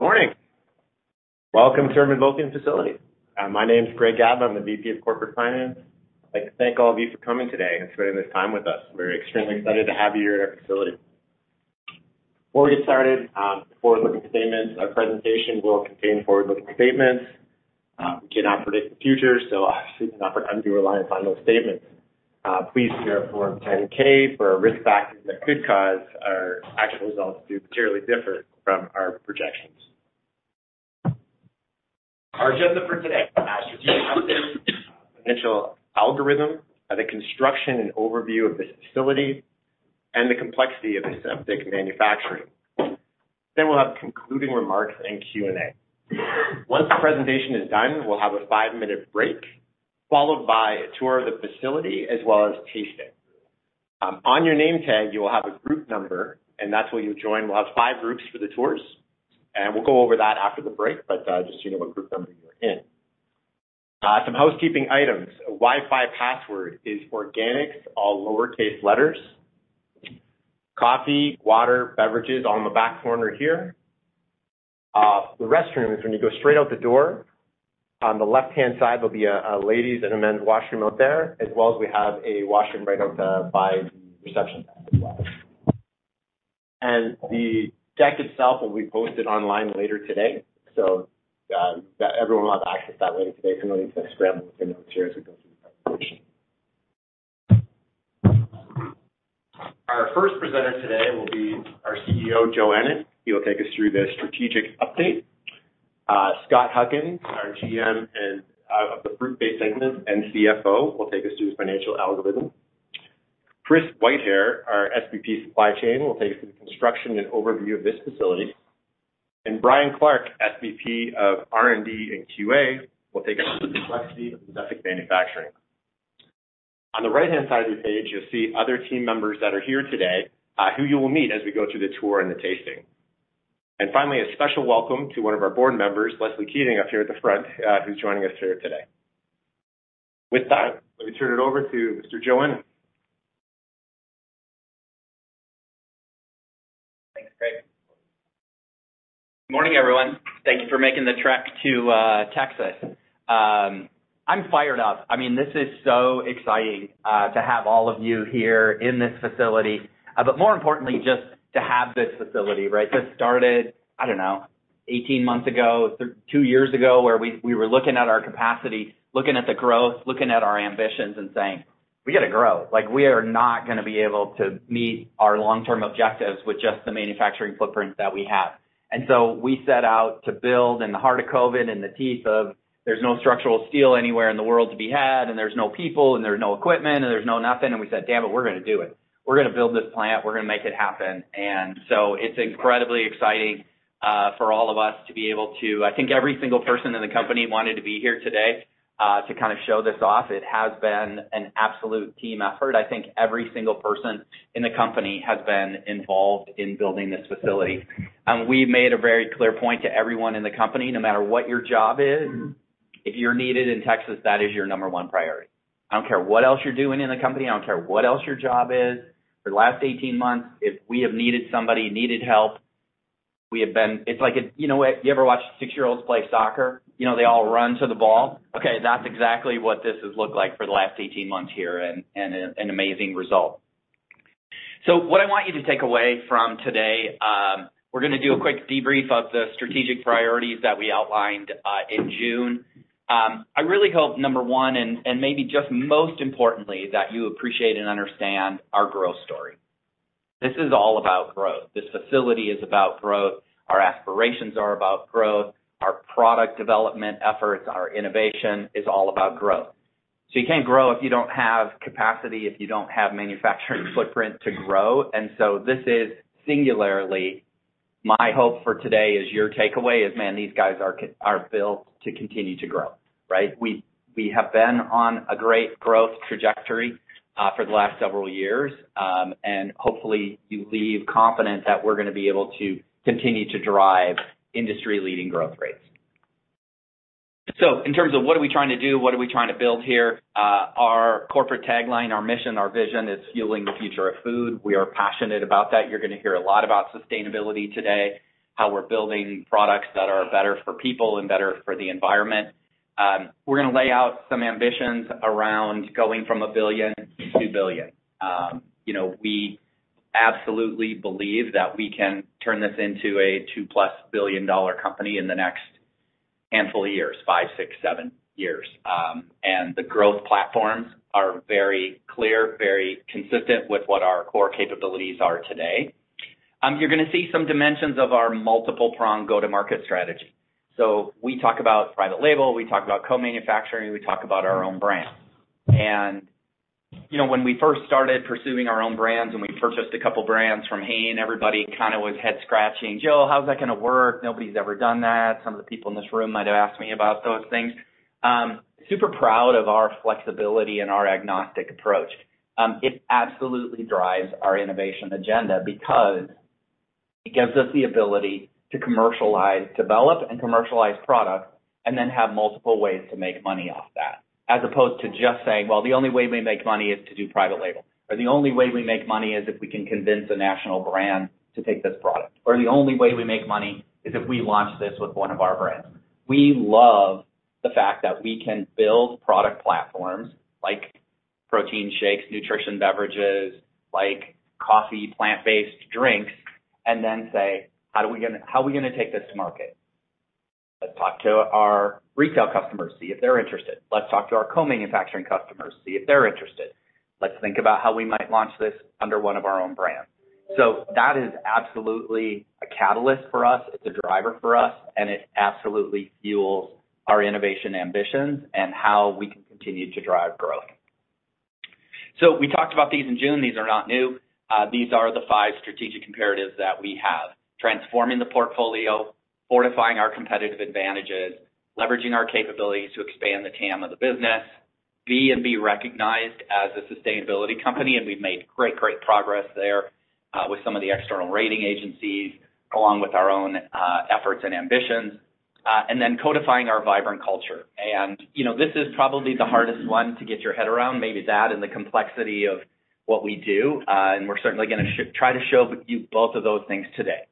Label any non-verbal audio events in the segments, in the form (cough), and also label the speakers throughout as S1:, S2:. S1: Morning. Welcome to our Midlothian facility. My name's Greg Gaba. I'm the VP of Corporate Finance. I'd like to thank all of you for coming today and spending this time with us. We're extremely excited to have you here at our facility. Before we get started, forward-looking statements. Our presentation will contain forward-looking statements. We cannot predict the future. I shouldn't offer undue reliance on those statements. Please see our Form 10-K for risk factors that could cause our actual results to materially differ from our projections. Our agenda for today financial algorithm of the construction and overview of this facility and the complexity of aseptic manufacturing. We'll have concluding remarks and Q&A. Once the presentation is done, we'll have a five-minute break, followed by a tour of the facility as well as tasting. On your name tag, you will have a group number, that's where you join. We'll have 5 groups for the tours, we'll go over that after the break. Just so you know what group number you're in. Some housekeeping items. Wi-Fi password is organics, all lowercase letters. Coffee, water, beverages on the back corner here. The restroom is when you go straight out the door, on the left-hand side, there'll be a ladies and a men's washroom out there, as well as we have a washroom right out by the reception as well. The deck itself will be posted online later today, so everyone will have access that way today, so no need to scramble to get notes here as it goes through the presentation. Our first presenter today will be our CEO, Joe Ennen. He will take us through the strategic update. Scott Huckins, our GM, of the fruit-based segment and CFO, will take us through his financial algorithm. Chris Whitehair, our SVP supply chain, will take us through the construction and overview of this facility. Bryan Clark, SVP of R&D and QA, will take us through the complexity of aseptic manufacturing. On the right-hand side of your page, you'll see other team members that are here today, who you will meet as we go through the tour and the tasting. Finally, a special welcome to one of our board members, Leslie Keating, up here at the front, who's joining us here today. With that, let me turn it over to Mr. Joe Ennen.
S2: Thanks, Greg. Morning, everyone. Thank you for making the trek to Texas. I'm fired up. I mean, this is so exciting, to have all of you here in this facility, but more importantly, just to have this facility, right? This started, I don't know, 18 months ago, two years ago, where we were looking at our capacity, looking at the growth, looking at our ambitions and saying, "We gotta grow." Like, we are not gonna be able to meet our long-term objectives with just the manufacturing footprint that we have. We set out to build in the heart of COVID and the teeth of there's no structural steel anywhere in the world to be had, and there's no people, and there's no equipment, and there's no nothing. We said, "Damn it, we're gonna do it. We're gonna build this plant. We're gonna make it happen." It's incredibly exciting, for all of us to be able to... I think every single person in the company wanted to be here today, to kind of show this off. It has been an absolute team effort. I think every single person in the company has been involved in building this facility. We've made a very clear point to everyone in the company, no matter what your job is, if you're needed in Texas, that is your number one priority. I don't care what else you're doing in the company. I don't care what else your job is. For the last 18 months, if we have needed somebody, needed help, we have been... It's like, you know what? You ever watch six-year-olds play soccer? You know, they all run to the ball. That's exactly what this has looked like for the last 18 months here and an amazing result. What I want you to take away from today, we're gonna do a quick debrief of the strategic priorities that we outlined in June. I really hope, number one, and maybe just most importantly, that you appreciate and understand our growth story. This is all about growth. This facility is about growth. Our aspirations are about growth. Our product development efforts, our innovation is all about growth. You can't grow if you don't have capacity, if you don't have manufacturing footprint to grow. This is singularly my hope for today is your takeaway is, man, these guys are built to continue to grow, right? We have been on a great growth trajectory for the last several years. Hopefully, you leave confident that we're gonna be able to continue to drive industry-leading growth rates. In terms of what are we trying to do, what are we trying to build here, our corporate tagline, our mission, our vision is fueling the future of food. We are passionate about that. You're gonna hear a lot about sustainability today, how we're building products that are better for people and better for the environment. We're gonna lay out some ambitions around going from $1 billion to $2 billion. You know, we absolutely believe that we can turn this into a 2-plus billion-dollar company in the next handful of years, 5, 6, 7 years. The growth platforms are very clear, very consistent with what our core capabilities are today. You're gonna see some dimensions of our multiple-prong go-to-market strategy. We talk about private label, we talk about co-manufacturing, we talk about our own brand. You know, when we first started pursuing our own brands and we purchased a couple brands from Hain, everybody kind of was head-scratching. "Joe, how's that gonna work? Nobody's ever done that." Some of the people in this room might have asked me about those things. Super proud of our flexibility and our agnostic approach. it absolutely drives our innovation agenda because it gives us the ability to commercialize, develop, and commercialize product and then have multiple ways to make money off that. As opposed to just saying, well, the only way we make money is to do private label, or the only way we make money is if we can convince a national brand to take this product, or the only way we make money is if we launch this with one of our brands. We love the fact that we can build product platforms like protein shakes, nutrition beverages, like coffee, plant-based drinks, and then say, "How are we gonna take this to market?" Let's talk to our retail customers, see if they're interested. Let's talk to our co-manufacturing customers, see if they're interested. Let's think about how we might launch this under one of our own brands. That is absolutely a catalyst for us, it's a driver for us, and it absolutely fuels our innovation ambitions and how we can continue to drive growth. We talked about these in June. These are not new. These are the five strategic imperatives that we have. Transforming the portfolio, fortifying our competitive advantages, leveraging our capabilities to expand the TAM of the business, be recognized as a sustainability company, and we've made great progress there with some of the external rating agencies, along with our own efforts and ambitions, and then codifying our vibrant culture. You know, this is probably the hardest one to get your head around, maybe that and the complexity of what we do. We're certainly gonna try to show you both of those things today.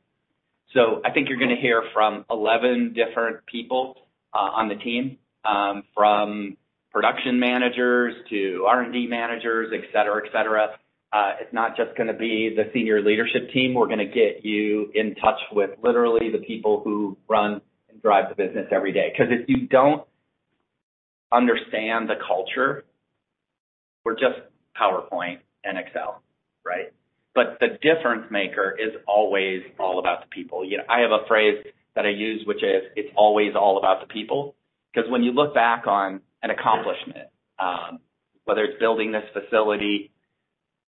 S2: I think you're gonna hear from 11 different people on the team, from production managers to R&D managers, et cetera, et cetera. It's not just gonna be the senior leadership team. We're gonna get you in touch with literally the people who run and drive the business every day. 'Cause if you don't understand the culture, we're just PowerPoint and Excel, right? The difference maker is always all about the people. You know, I have a phrase that I use, which is, "It's always all about the people." 'Cause when you look back on an accomplishment, whether it's building this facility,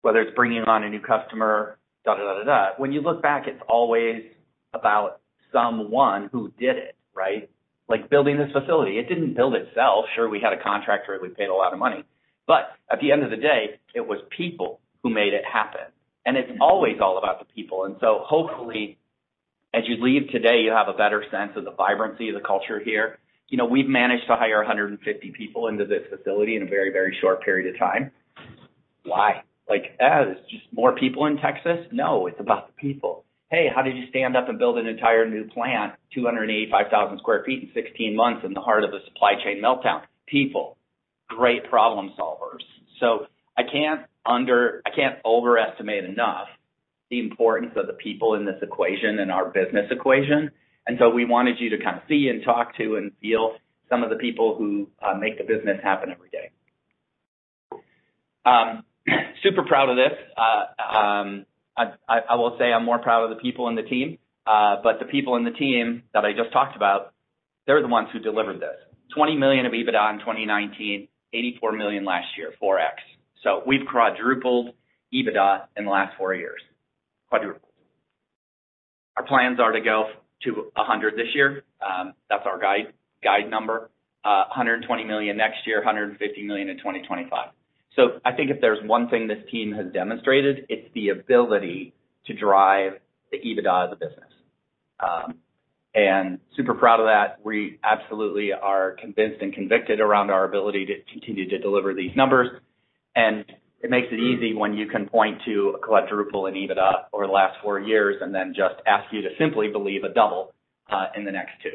S2: whether it's bringing on a new customer, da, da, da, when you look back, it's always about someone who did it, right? Like building this facility, it didn't build itself. Sure, we had a contractor who we paid a lot of money. At the end of the day, it was people who made it happen. It's always all about the people. Hopefully, as you leave today, you have a better sense of the vibrancy of the culture here. You know, we've managed to hire 150 people into this facility in a very, very short period of time. Why? Like, there's just more people in Texas? No, it's about the people. Hey, how did you stand up and build an entire new plant, 285,000 sq ft in 16 months in the heart of a supply chain meltdown? People, great problem solvers. I can't overestimate enough the importance of the people in this equation and our business equation. We wanted you to kind of see and talk to and feel some of the people who make the business happen every day. Super proud of this. I will say I'm more proud of the people in the team. The people in the team that I just talked about, they're the ones who delivered this. $20 million of EBITDA in 2019, $84 million last year, 4x. We've quadrupled EBITDA in the last four years. Quadrupled. Our plans are to go to $100 million this year. That's our guide number. $120 million next year, $150 million in 2025. I think if there's one thing this team has demonstrated, it's the ability to drive the EBITDA of the business. Super proud of that. We absolutely are convinced and convicted around our ability to continue to deliver these numbers. It makes it easy when you can point to a quadruple in EBITDA over the last four years and then just ask you to simply believe a double in the next two.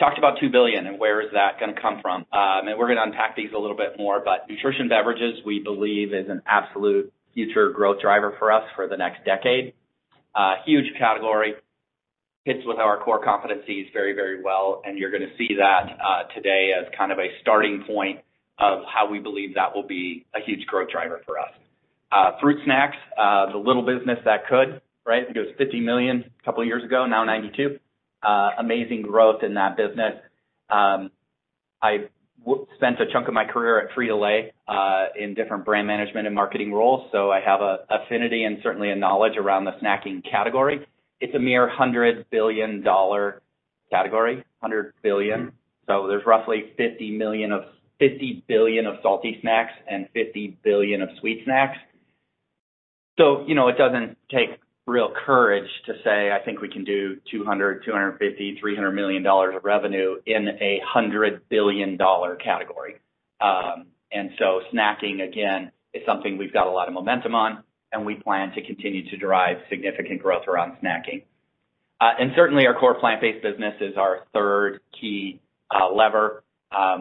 S2: Talked about $2 billion and where is that gonna come from? We're gonna unpack these a little bit more, but nutrition beverages, we believe is an absolute future growth driver for us for the next decade. Huge category. Fits with our core competencies very, very well, and you're gonna see that today as kind of a starting point of how we believe that will be a huge growth driver for us. Fruit snacks, the little business that could, right? It was $50 million a couple of years ago, now $92 million. Amazing growth in that business. I spent a chunk of my career at Frito-Lay, in different brand management and marketing roles. I have a affinity and certainly a knowledge around the snacking category. It's a mere $100 billion dollar category, $100 billion. There's roughly $50 billion of salty snacks and $50 billion of sweet snacks. You know, it doesn't take real courage to say, I think we can do $200 million, $250 million, $300 million of revenue in a $100 billion dollar category. Snacking, again, is something we've got a lot of momentum on, and we plan to continue to drive significant growth around snacking. Certainly our core plant-based business is our third key lever.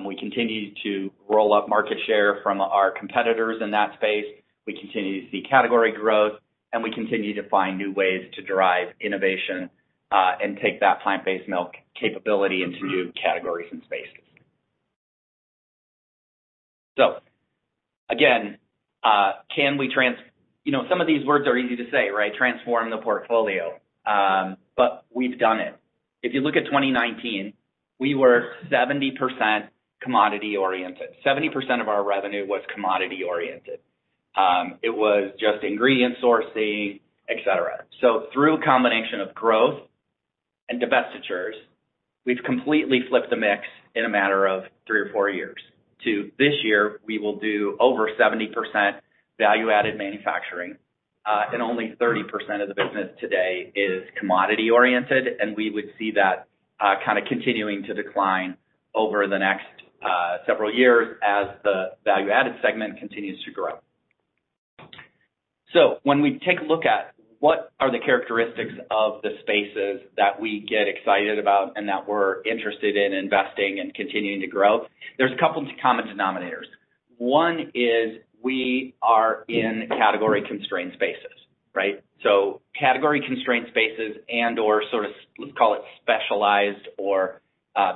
S2: We continue to roll up market share from our competitors in that space. We continue to see category growth. We continue to find new ways to drive innovation and take that plant-based milk capability into new categories and spaces. Again, you know, some of these words are easy to say, right? Transform the portfolio. We've done it. If you look at 2019, we were 70% commodity-oriented. 70% of our revenue was commodity-oriented. It was just ingredient sourcing, et cetera. Through a combination of growth and divestitures, we've completely flipped the mix in a matter of three or four years to this year, we will do over 70% value-added manufacturing. Only 30% of the business today is commodity-oriented, and we would see that kind of continuing to decline over the next several years as the value-added segment continues to grow. When we take a look at what are the characteristics of the spaces that we get excited about and that we're interested in investing and continuing to grow, there's a couple of common denominators. One is we are in category constraint spaces, right? Category constraint spaces and/or sort of, let's call it specialized or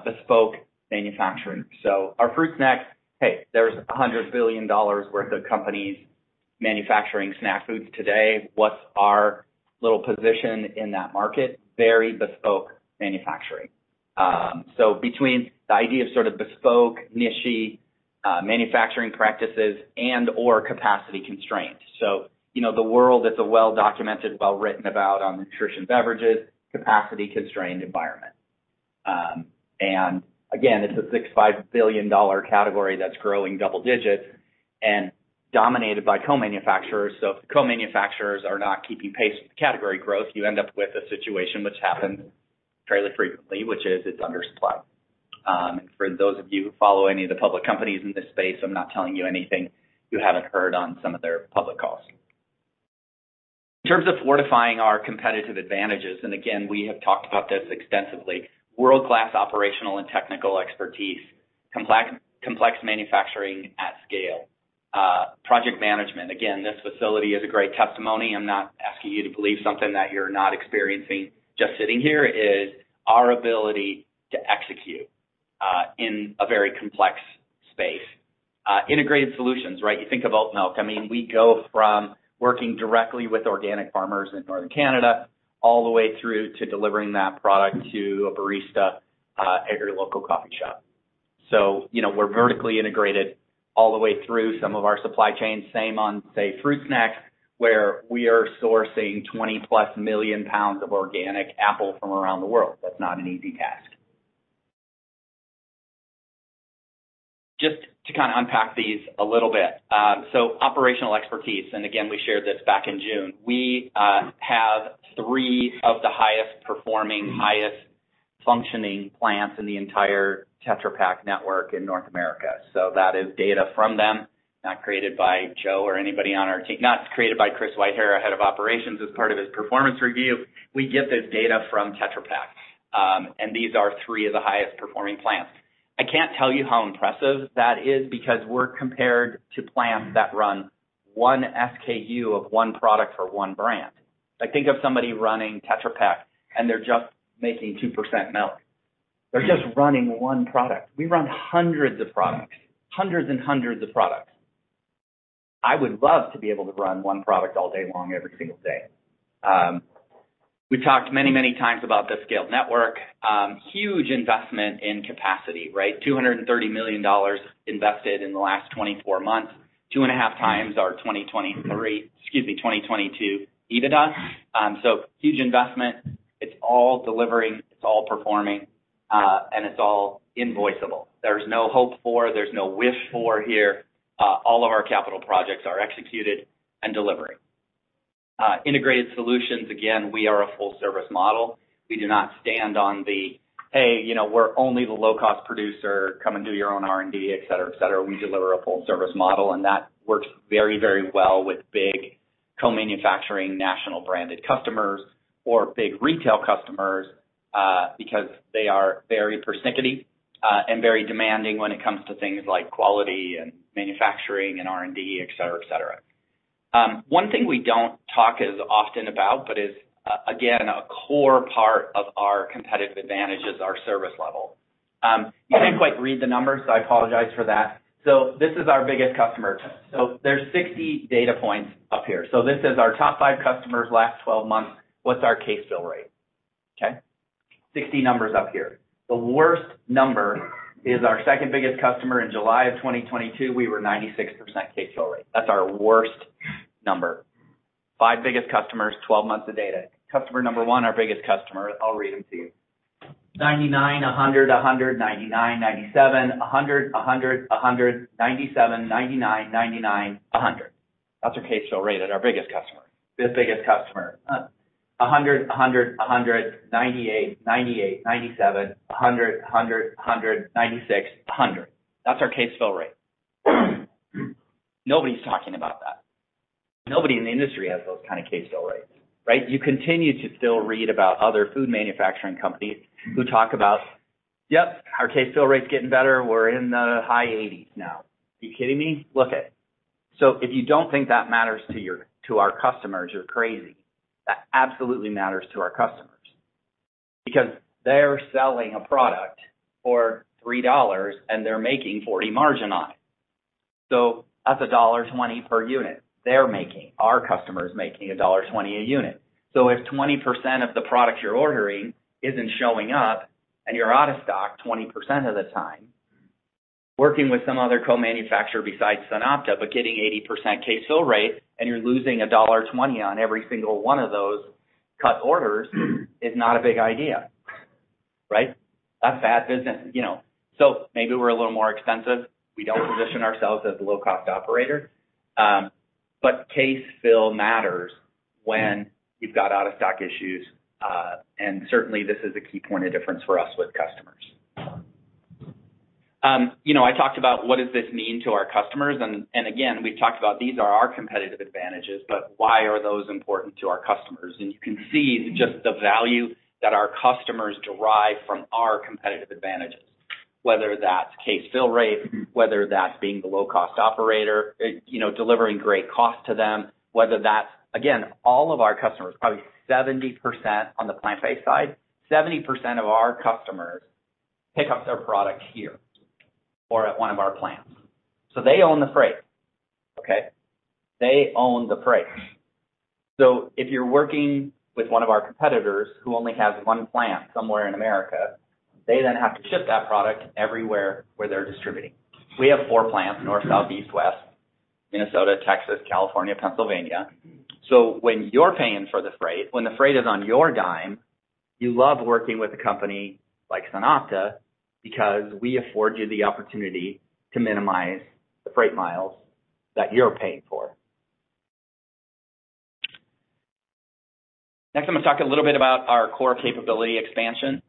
S2: bespoke manufacturing. Our fruit snacks, hey, there's $100 billion worth of companies manufacturing snack foods today. What's our little position in that market? Very bespoke manufacturing. Between the idea of sort of bespoke, niche-y manufacturing practices and/or capacity constraints. You know the world that's a well-documented, well-written about on nutrition beverages, capacity-constrained environment. Again, it's a $6.5 billion category that's growing double digits and dominated by co-manufacturers. If the co-manufacturers are not keeping pace with the category growth, you end up with a situation which happens fairly frequently, which is it's undersupplied. For those of you who follow any of the public companies in this space, I'm not telling you anything you haven't heard on some of their public calls. In terms of fortifying our competitive advantages, again, we have talked about this extensively, world-class operational and technical expertise, complex manufacturing at scale, project management. Again, this facility is a great testimony. I'm not asking you to believe something that you're not experiencing. Just sitting here is our ability to execute in a very complex space. Integrated solutions, right? You think of oat milk. I mean, we go from working directly with organic farmers in Northern Canada all the way through to delivering that product to a barista at your local coffee shop. You know, we're vertically integrated all the way through some of our supply chains. Same on, say, fruit snacks, where we are sourcing 20-plus million pounds of organic apple from around the world. That's not an easy task. Just to kind of unpack these a little bit. Operational expertise, and again, we shared this back in June. We have three of the highest performing, highest functioning plants in the entire Tetra Pak network in North America. That is data from them, not created by Joe or anybody on our team, not created by Chris Whitehair, our Head of Operations, as part of his performance review. We get this data from Tetra Pak. These are 3 of the highest performing plants. I can't tell you how impressive that is because we're compared to plants that run one SKU of one product for one brand. Like think of somebody running Tetra Pak, and they're just making 2% milk. They're just running one product. We run hundreds of products, hundreds and hundreds of products. I would love to be able to run one product all day long every single day. We've talked many, many times about this scaled network. Huge investment in capacity, right? $230 million invested in the last 24 months, 2.5 times our 2022 EBITDA. Huge investment. It's all delivering, it's all performing, and it's all invoiceable. There's no hope for, there's no wish for here. All of our capital projects are executed and delivering. Integrated solutions. Again, we are a full-service model. We do not stand on the, hey, you know, we're only the low-cost producer. Come and do your own R&D, et cetera, et cetera. We deliver a full service model, and that works very, very well with big co-manufacturing national branded customers or big retail customers, because they are very persnickety, and very demanding when it comes to things like quality and manufacturing and R&D, et cetera, et cetera. One thing we don't talk as often about, but is again, a core part of our competitive advantage is our service level. You can't quite read the numbers, so I apologize for that. This is our biggest customer. There's 60 data points up here. This is our top five customers last 12 months. What's our case fill rate? Okay. 60 numbers up here. The worst number is our second biggest customer in July of 2022, we were 96% case fill rate. That's our worst number. Five biggest customers, 12 months of data. Customer number one, our biggest customer. I'll read them to you. 99%, 100%, 100%, 99%, 97%, 100%, 100%, 100%, 97%, 99%, 99%, 100%. That's our case fill rate at our biggest customer. The biggest customer. 100%, 100%, 100%, 98%, 98%, 97%, 100%, 100%, 100%, 96%, 100%. That's our case fill rate. Nobody's talking about that. Nobody in the industry has those kind of case fill rates, right? You continue to still read about other food manufacturing companies who talk about, "Yep, our case fill rate's getting better. We're in the high 80s now." Are you kidding me? Look it. If you don't think that matters to our customers, you're crazy. That absolutely matters to our customers because they're selling a product for $3, and they're making 40 margin on it. So that's $1.20 per unit they're making. Our customer's making $1.20 a unit. If 20% of the product you're ordering isn't showing up and you're out of stock 20% of the time, working with some other co-manufacturer besides SunOpta, but getting 80% case fill rate, and you're losing $1.20 on every single one of those cut orders is not a big idea. Right? That's fast, isn't You know, so maybe we're a little more expensive. We don't position ourselves as a low-cost operator. But case fill matters when you've got out-of-stock issues. Certainly, this is a key point of difference for us with customers. You know, I talked about what does this mean to our customers. Again, we've talked about these are our competitive advantages, but why are those important to our customers? You can see just the value that our customers derive from our competitive advantages, whether that's case fill rate, whether that's being the low-cost operator, you know, delivering great cost to them, whether that's. Again, all of our customers, probably 70% on the plant-based side, 70% of our customers pick up their product here or at one of our plants. They own the freight, okay? They own the freight. If you're working with one of our competitors who only has one plant somewhere in America, they then have to ship that product everywhere where they're distributing. We have four plants, north, south, east, west, Minnesota, Texas, California, Pennsylvania. When you're paying for the freight, when the freight is on your dime, you love working with a company like SunOpta because we afford you the opportunity to minimize the freight miles that you're paying for. Next, I'm gonna talk a little bit about our core capability expansion.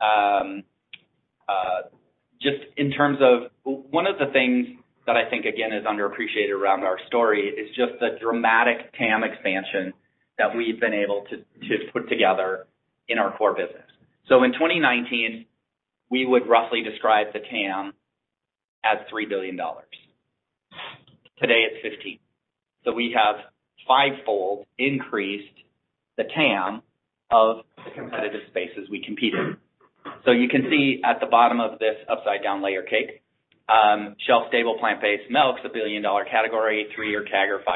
S2: One of the things that I think again is underappreciated around our story is just the dramatic TAM expansion that we've been able to put together in our core business. In 2019, we would roughly describe the TAM as $3 billion. Today, it's $15 billion. We have fivefold increased the TAM of the competitive spaces we compete in. You can see at the bottom of this upside-down layer cake, shelf-stable plant-based milk's a billion-dollar category, three-year CAGR, 5%.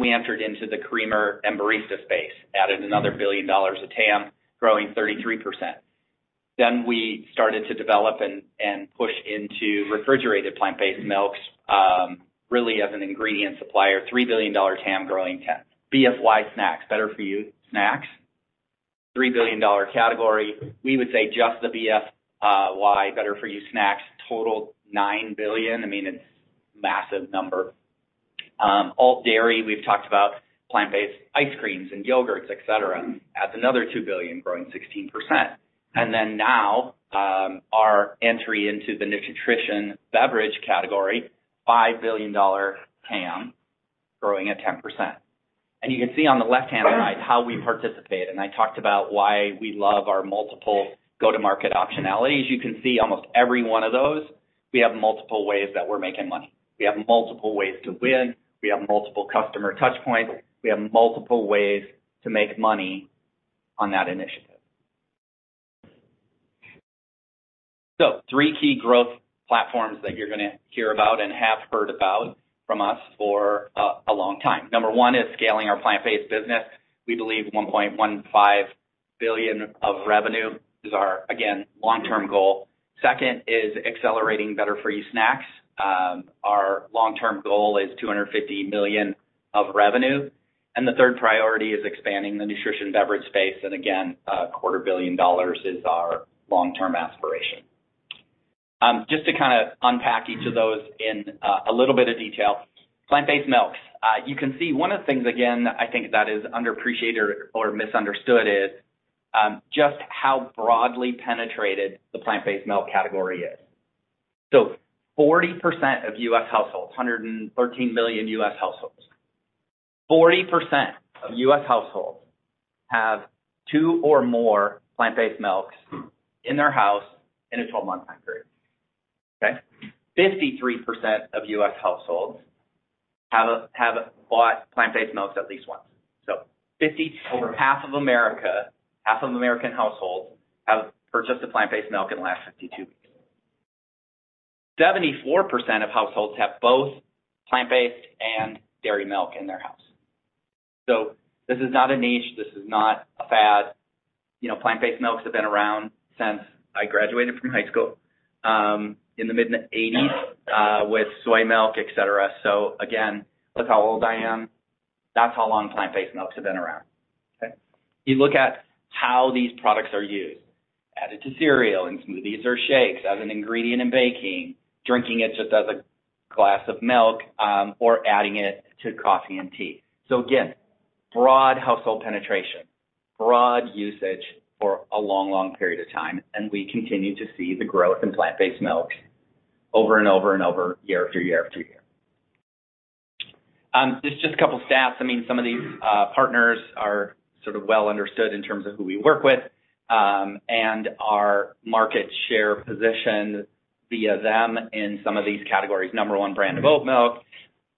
S2: We entered into the creamer and barista space, added another $1 billion of TAM, growing 33%. We started to develop and push into refrigerated plant-based milks, really as an ingredient supplier, $3 billion TAM growing 10%. BFY snacks, better-for-you snacks, a $3 billion category. We would say just the BFY, better-for-you snacks total $9 billion. I mean, it's massive number. alt dairy, we've talked about plant-based ice creams and yogurts, et cetera, adds another $2 billion, growing 16%. Now, our entry into the nutrition beverage category, $5 billion TAM growing at 10%. You can see on the left-hand side how we participate. I talked about why we love our multiple go-to-market optionalities. You can see almost every one of those, we have multiple ways that we're making money. We have multiple ways to win. We have multiple customer touch points. We have multiple ways to make money on that initiative. three key growth platforms that you're gonna hear about and have heard about from us for a long time. Number one is scaling our plant-based business. We believe $1.15 billion of revenue is our, again, long-term goal. Second is accelerating better-for-you snacks. Our long-term goal is $250 million of revenue. The third priority is expanding the nutrition beverage space. Again, a quarter billion dollars is our long-term aspiration. Just to kind of unpack each of those in a little bit of detail. Plant-based milks. You can see one of the things, again, I think that is underappreciated or misunderstood is just how broadly penetrated the plant-based milk category is. Forty percent of U.S. households, 113 million U.S. households, 40% of U.S. households have two or more plant-based milks in their house in a 12-month time period. Okay. 53% of U.S. households have bought plant-based milks at least once. Fifty, over half of America, half of American households have purchased a plant-based milk in the last 52 weeks. 74% of households have both plant-based and dairy milk in their house. This is not a niche. This is not a fad. You know, plant-based milks have been around since I graduated from high school, in the mid 80s, with soy milk, et cetera. Again, look how old I am. That's how long plant-based milks have been around. Okay? You look at how these products are used, added to cereal, in smoothies or shakes, as an ingredient in baking, drinking it just as a glass of milk, or adding it to coffee and tea. Again, broad household penetration, broad usage for a long, long period of time, and we continue to see the growth in plant-based milk over and over and over, year after year after year. Just a couple stats. I mean, some of these partners are sort of well understood in terms of who we work with, and our market share position via them in some of these categories. Number one brand of oat milk,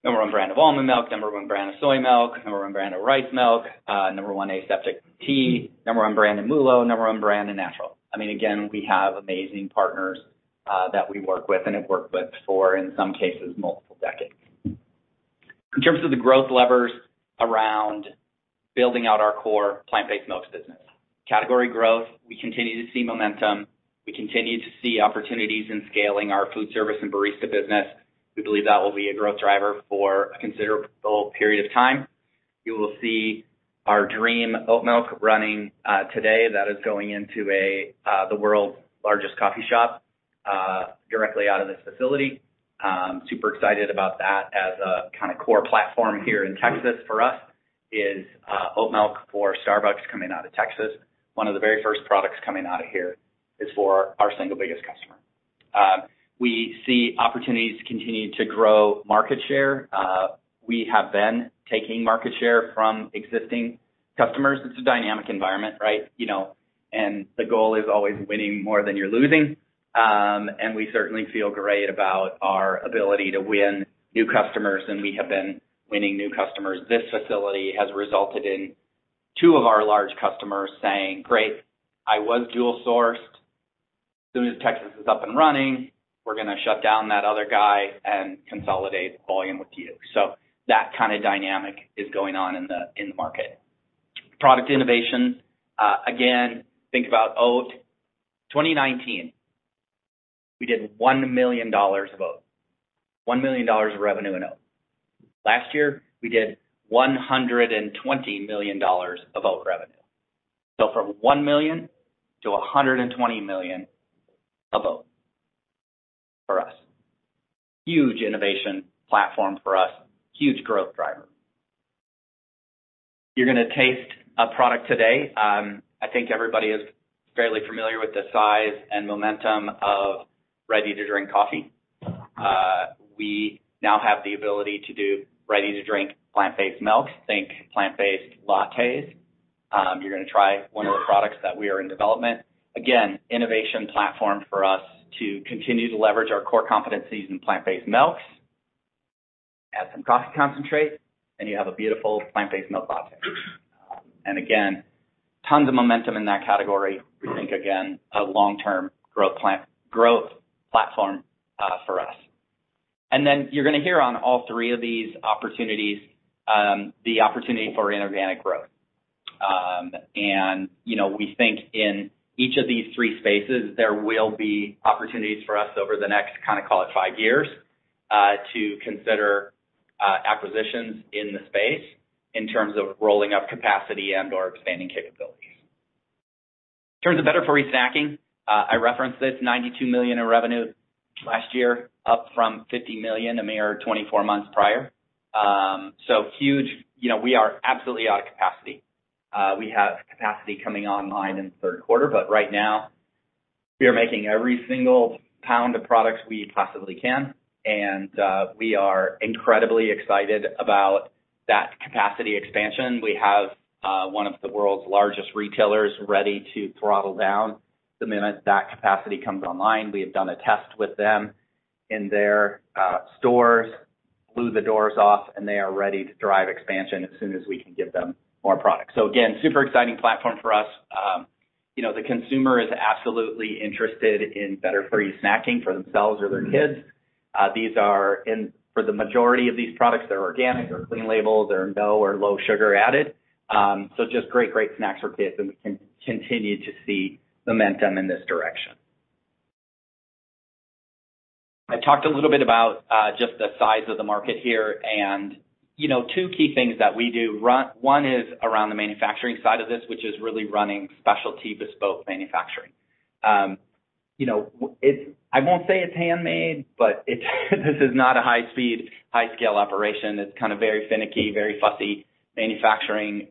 S2: number one brand of almond milk, number one brand of soy milk, number one brand of rice milk, number one aseptic tea, number one brand in MULO, number one brand in natural. Again, we have amazing partners that we work with and have worked with for, in some cases, multiple decades. In terms of the growth levers around building out our core plant-based milks business. Category growth, we continue to see momentum. We continue to see opportunities in scaling our food service and barista business. We believe that will be a growth driver for a considerable period of time. You will see our Dream oat milk running today. That is going into the world's largest coffee shop directly out of this facility. Super excited about that as a kind of core platform here in Texas for us is oat milk for Starbucks coming out of Texas. One of the very first products coming out of here is for our single biggest customer. We see opportunities to continue to grow market share. We have been taking market share from existing customers. It's a dynamic environment, right? You know, the goal is always winning more than you're losing. We certainly feel great about our ability to win new customers, and we have been winning new customers. This facility has resulted in two of our large customers saying, "Great, I was dual-sourced. As soon as Texas is up and running, we're gonna shut down that other guy and consolidate volume with you." That kind of dynamic is going on in the market. Product innovation. Again, think about oat. 2019, we did $1 million of oat. $1 million of revenue in oat. Last year, we did $120 million of oat revenue. From $1 million to $120 million of oat for us. Huge innovation platform for us. Huge growth driver. You're gonna taste a product today. I think everybody is fairly familiar with the size and momentum of ready-to-drink coffee. We now have the ability to do ready-to-drink plant-based milk. Think plant-based lattes. You're gonna try one of the products that we are in development. Again, innovation platform for us to continue to leverage our core competencies in plant-based milks. Add some coffee concentrate, and you have a beautiful plant-based milk latte. Tons of momentum in that category. We think, again, a long-term growth platform, for us. Then you're gonna hear on all three of these opportunities, the opportunity for inorganic growth. You know, we think in each of these three spaces, there will be opportunities for us over the next, kind of call it five years, to consider acquisitions in the space in terms of rolling up capacity and/or expanding capabilities. In terms of better-for-you snacking, I referenced this $92 million in revenue last year, up from $50 million a mere 24 months prior. Huge. You know, we are absolutely out of capacity. We have capacity coming online in the Q3, but right now we are making every single pound of products we possibly can. We are incredibly excited about that capacity expansion. We have, one of the world's largest retailers ready to throttle down the minute that capacity comes online. We have done a test with them in their stores, blew the doors off, and they are ready to drive expansion as soon as we can give them more product. Again, super exciting platform for us. you know, the consumer is absolutely interested in better-for-you snacking for themselves or their kids. For the majority of these products, they're organic or clean label. They're no or low sugar added. so just great snacks for kids, and we continue to see momentum in this direction. I talked a little bit about, just the size of the market here and, you know, two key things that we do. One is around the manufacturing side of this, which is really running specialty bespoke manufacturing. You know, I won't say it's handmade, but it's this is not a high-speed, high-scale operation. It's kind of very finicky, very fussy manufacturing.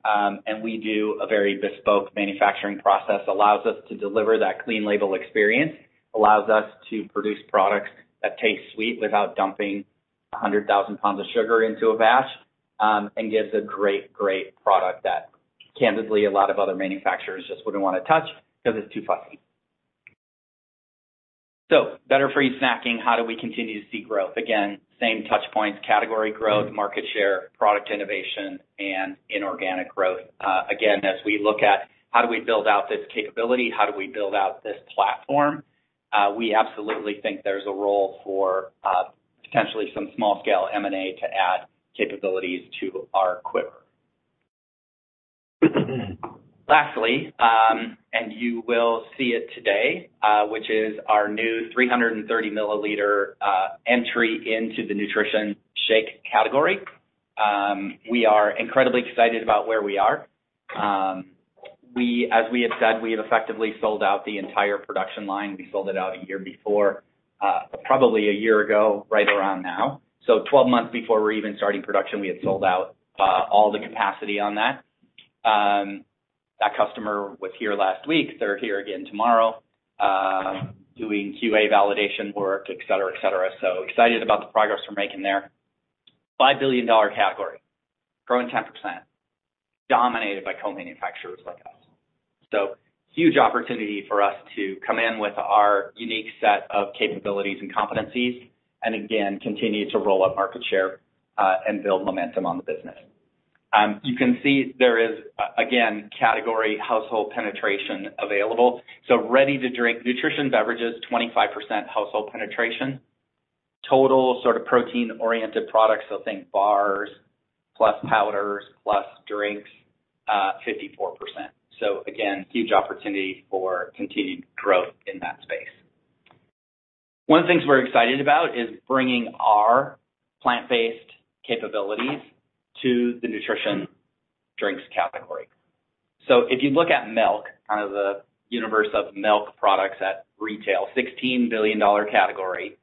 S2: We do a very bespoke manufacturing process, allows us to deliver that clean label experience, allows us to produce products that taste sweet without dumping 100,000 pounds of sugar into a batch. Gives a great product that, candidly, a lot of other manufacturers just wouldn't wanna touch because it's too fussy. Better-for-you snacking, how do we continue to see growth? Again, same touch points, category growth, market share, product innovation, and inorganic growth. Again, as we look at how do we build out this capability? How do we build out this platform? We absolutely think there's a role for potentially some small-scale M&A to add capabilities to our quiver. And you will see it today, which is our new 330 mL entry into the nutrition shake category. We are incredibly excited about where we are. As we have said, we have effectively sold out the entire production line. We sold it out a year before, probably a year ago, right around now. 12 months before we were even starting production, we had sold out all the capacity on that. That customer was here last week. They're here again tomorrow, doing QA validation work, et cetera, et cetera. Excited about the progress we're making there. $5 billion category, growing 10%, dominated by co-manufacturers like us. Huge opportunity for us to come in with our unique set of capabilities and competencies and again, continue to roll up market share and build momentum on the business. You can see there is again, category household penetration available. Ready-to-drink nutrition beverages, 25% household penetration. Total sort of protein-oriented products, so think bars plus powders plus drinks, 54%. Again, huge opportunity for continued growth in that space. One of the things we're excited about is bringing our plant-based capabilities to the nutrition drinks category. If you look at milk, kind of the universe of milk products at retail, $16 billion category,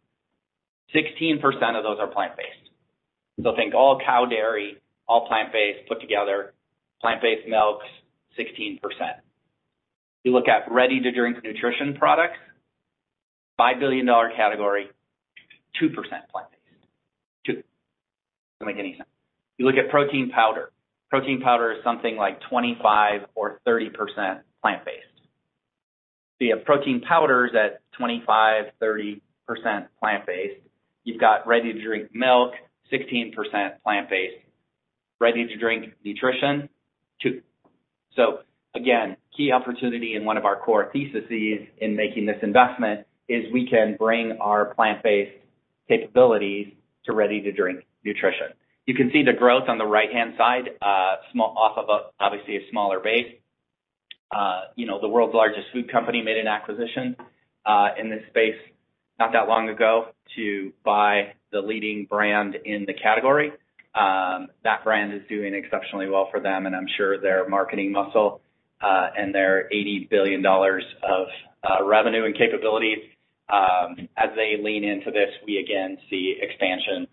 S2: 16% of those are plant-based. Think all cow dairy, all plant-based put together, plant-based milks, 16%. If you look at ready-to-drink nutrition products, $5 billion category, 2% plant-based. Two. Doesn't make any sense. If you look at protein powder, protein powder is something like 25% or 30% plant-based. You have protein powders at 25%, 30% plant-based. You've got ready-to-drink milk, 16% plant-based. Ready-to-drink nutrition, 2. Again, key opportunity and one of our core theses in making this investment is we can bring our plant-based capabilities to ready-to-drink nutrition. You can see the growth on the right-hand side, off of, obviously, a smaller base. You know, the world's largest food company made an acquisition in this space not that long ago to buy the leading brand in the category. That brand is doing exceptionally well for them, and I'm sure their marketing muscle and their $80 billion of revenue and capabilities, as they lean into this, we again see expansion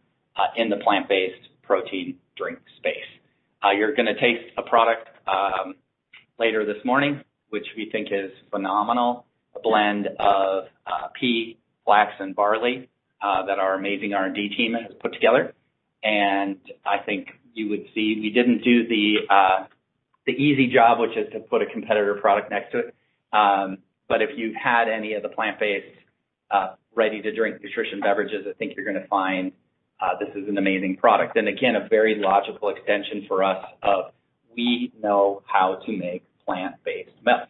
S2: in the plant-based protein drink space. You're gonna taste a product later this morning, which we think is phenomenal. A blend of pea, flax and barley that our amazing R&D team has put together. I think you would see we didn't do the easy job, which is to put a competitor product next to it. If you've had any of the plant-based ready-to-drink nutrition beverages, I think you're gonna find this is an amazing product. Again, a very logical extension for us of we know how to make plant-based milk.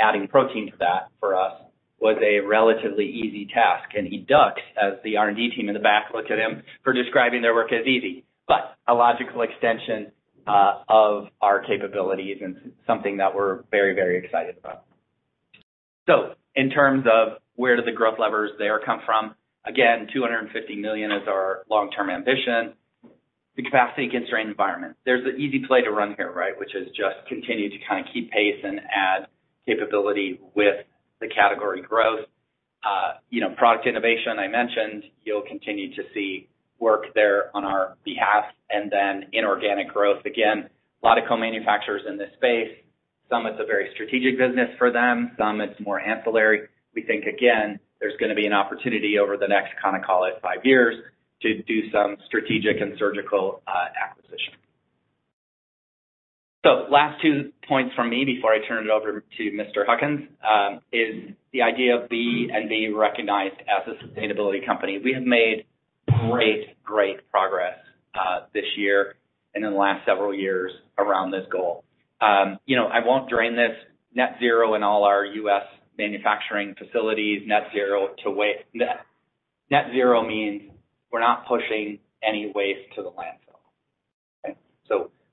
S2: Adding protein to that for us was a relatively easy task. He ducks as the R&D team in the back look at him for describing their work as easy. A logical extension of our capabilities and something that we're very, very excited about. In terms of where do the growth levers there come from, again, $250 million is our long-term ambition. The capacity-constrained environment. There's an easy play to run here, right? Which is just continue to kind of keep pace and add capability with the category growth. you know, product innovation I mentioned. You'll continue to see work there on our behalf. Then inorganic growth. Again, a lot of co-manufacturers in this space. Some, it's a very strategic business for them. Some, it's more ancillary. We think, again, there's gonna be an opportunity over the next, kind of call it, five years to do some strategic and surgical acquisition. Last two points from me before I turn it over to Mr. Huckins, is the idea of being and being recognized as a sustainability company. We have made great progress this year and in the last several years around this goal. You know, I won't drain this. Net zero in all our U.S. manufacturing facilities. Net zero to waste. Net zero means we're not pushing any waste to the landfill. Okay.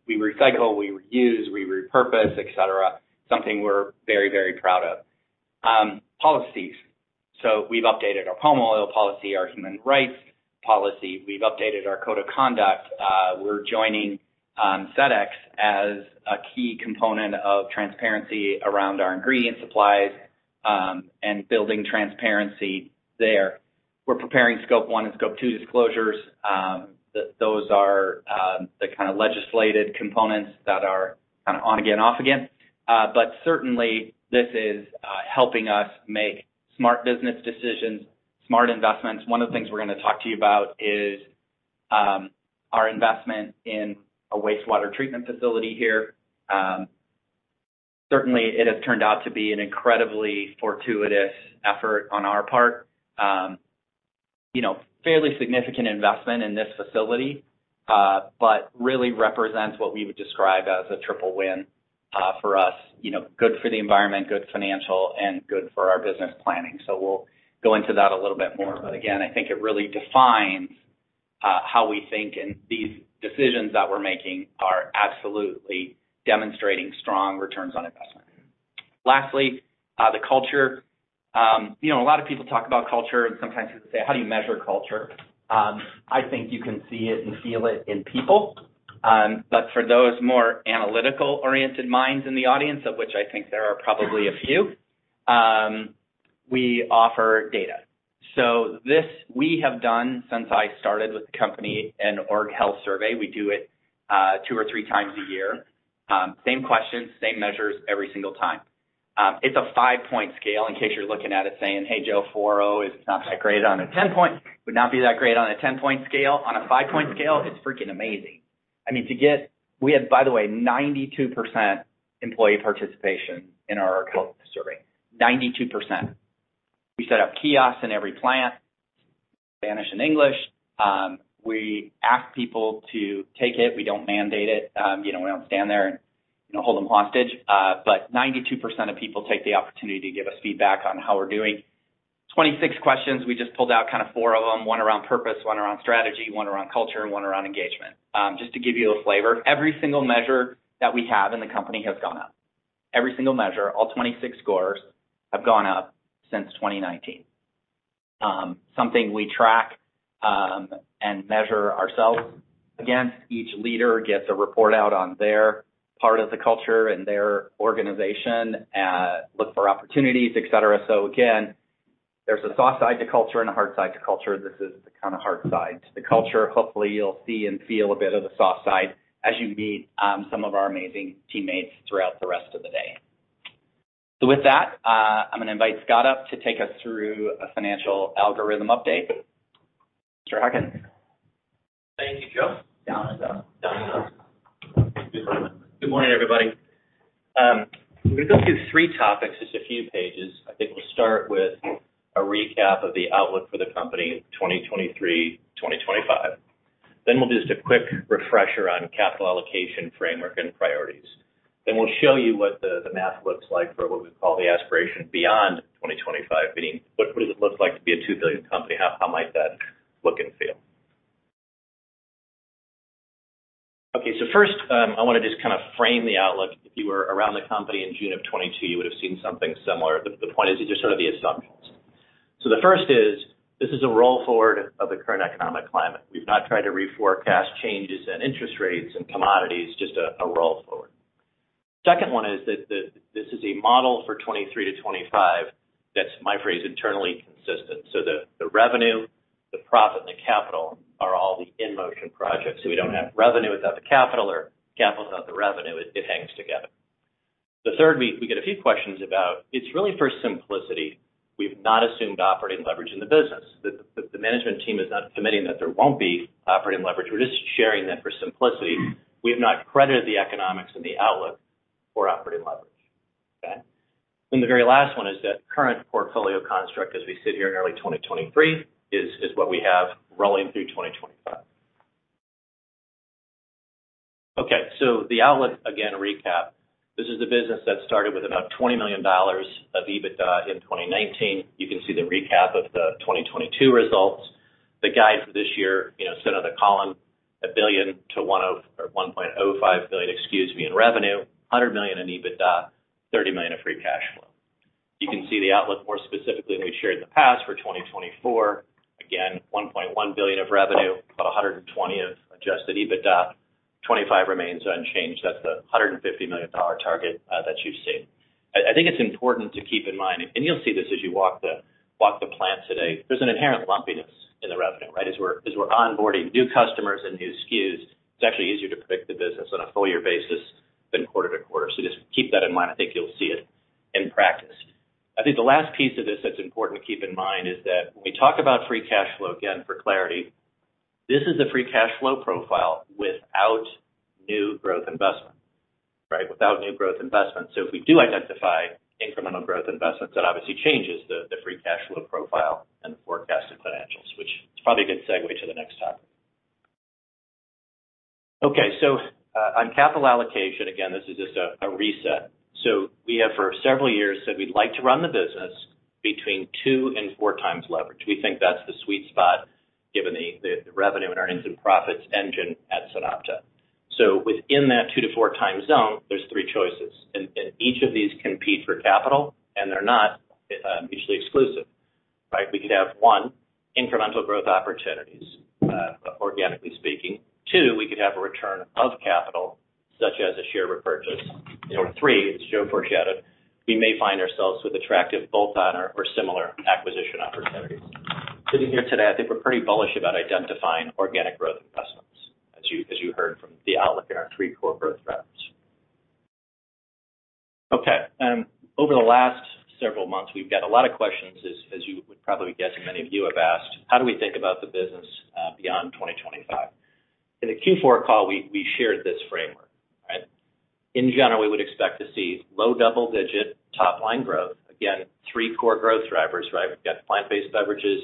S2: We recycle, we reuse, we repurpose, et cetera. Something we're very, very proud of. Policies. We've updated our Palm Oil Policy, our human rights policy. We've updated our code of conduct. We're joining Sedex as a key component of transparency around our ingredient supplies and building transparency there. We're preparing Scope 1 and Scope 2 disclosures. Those are the kind of legislated components that are kind of on again, off again. Certainly, this is helping us make smart business decisions, smart investments. One of the things we're gonna talk to you about is our investment in a wastewater treatment facility here. Certainly, it has turned out to be an incredibly fortuitous effort on our part. You know, fairly significant investment in this facility, but really represents what we would describe as a triple win for us. You know, good for the environment, good financial, and good for our business planning. We'll go into that a little bit more. Again, I think it really defines how we think, and these decisions that we're making are absolutely demonstrating strong returns on investment. Lastly, the culture. You know, a lot of people talk about culture and sometimes people say, "How do you measure culture?" I think you can see it and feel it in people. For those more analytical-oriented minds in the audience, of which I think there are probably a few, we offer data. This we have done since I started with the company, an org health survey. We do it, two or three times a year. Same questions, same measures every single time. It's a five-point scale in case you're looking at it saying, "Hey, Joe Ennen, 4.0 is not that great on a 10-point scale." On a five-point scale, it's freaking amazing. I mean, we had, by the way, 92% employee participation in our org health survey. 92%. We set up kiosks in every plant, Spanish and English. We ask people to take it. We don't mandate it. You know, we don't stand there and, you know, hold them hostage. Ninety-two percent of people take the opportunity to give us feedback on how we're doing. 26 questions. We just pulled out kind of four of them, one around purpose, one around strategy, one around culture, and one around engagement. Just to give you a flavor, every single measure that we have in the company has gone up. Every single measure, all 26 scores have gone up since 2019. Something we track and measure ourselves against. Each leader gets a report out on their part of the culture and their organization, look for opportunities, et cetera. Again, there's a soft side to culture and a hard side to culture. This is the kinda hard side to the culture. Hopefully, you'll see and feel a bit of the soft side as you meet some of our amazing teammates throughout the rest of the day. With that, I'm gonna invite Scott up to take us through a financial algorithm update. Mr. Huckins?
S3: Thank you, Joe. Down and up. Down and up. Good morning, everybody. We're gonna go through three topics, just a few pages. I think we'll start with a recap of the outlook for the company in 2023-2025. We'll do just a quick refresher on capital allocation framework and priorities. We'll show you what the math looks like for what we call the aspiration beyond 2025, being what does it look like to be a $2 billion company? How might that look and feel? First, I wanna just kind of frame the outlook. If you were around the company in June of 2022, you would have seen something similar. The point is, these are some of the assumptions. The first is, this is a roll forward of the current economic climate. We've not tried to reforecast changes in interest rates and commodities, just a roll-forward. Second one is that this is a model for 23 to 25 that's, my phrase, internally consistent. The revenue, the profit, and the capital are all the in-motion projects. We don't have revenue without the capital or capital without the revenue. It hangs together. The third we get a few questions about, it's really for simplicity. We've not assumed operating leverage in the business. The management team is not committing that there won't be operating leverage. We're just sharing that for simplicity. We have not credited the economics and the outlook for operating leverage. Okay? The very last one is that current portfolio construct as we sit here in early 2023 is what we have rolling through 2025. Okay. The outlook, again, recap. This is a business that started with about $20 million of EBITDA in 2019. You can see the recap of the 2022 results. The guide for this year, you know, center of the column, $1 billion-$1.05 billion, excuse me, in revenue, $100 million in EBITDA, $30 million of free cash flow. You can see the outlook more specifically than we've shared in the past for 2024. Again, $1.1 billion of revenue, about $120 million of Adjusted EBITDA. 2025 remains unchanged. That's the $150 million target that you've seen. I think it's important to keep in mind, and you'll see this as you walk the plant today, there's an inherent lumpiness in the revenue, right? As we're onboarding new customers and new SKUs, it's actually easier to predict the business on a full year basis than quarter-to-quarter. Just keep that in mind. I think you'll see it in practice. I think the last piece of this that's important to keep in mind is that when we talk about free cash flow, again, for clarity, this is a free cash flow profile without new growth investment, right? Without new growth investment. If we do identify incremental growth investments, that obviously changes the free cash flow profile and the forecasted financials, which is probably a good segue to the next topic. Okay. On capital allocation, again, this is just a reset. We have for several years said we'd like to run the business between 2 and 4 times leverage. We think that's the sweet spot given the revenue and earnings and profits engine at SunOpta. Within that 2-4 time zone, there's three choices. Each of these compete for capital, and they're not mutually exclusive, right? We could have, 1, incremental growth opportunities, organically speaking. Two, we could have a return of capital, such as a share repurchase. Three, as Joe foreshadowed, we may find ourselves with attractive bolt-on or similar acquisition opportunities. Sitting here today, I think we're pretty bullish about identifying organic growth investments as you heard from the outlook in our three core growth drivers. Okay. Over the last several months, we've got a lot of questions as you would probably guess, and many of you have asked, how do we think about the business beyond 2025? In the Q4 call, we shared this framework, right? In general, we would expect to see low double-digit top-line growth. Again, three core growth drivers, right? We've got plant-based beverages,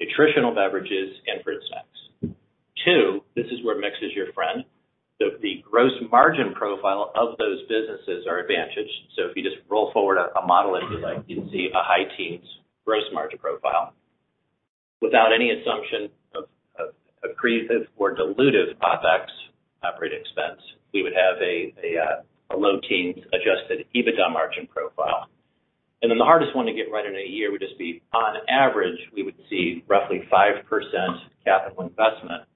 S3: nutritional beverages, and fruit snacks. 2, this is where mix is your friend. The gross margin profile of those businesses are advantaged. If you just roll forward a model, if you'd like, you'd see a high teens gross margin profile. Without any assumption of accretive or dilutive OpEx operating expense, we would have a low teens Adjusted EBITDA margin profile. The hardest one to get right in a year would just be, on average, we would see roughly 5% capital investment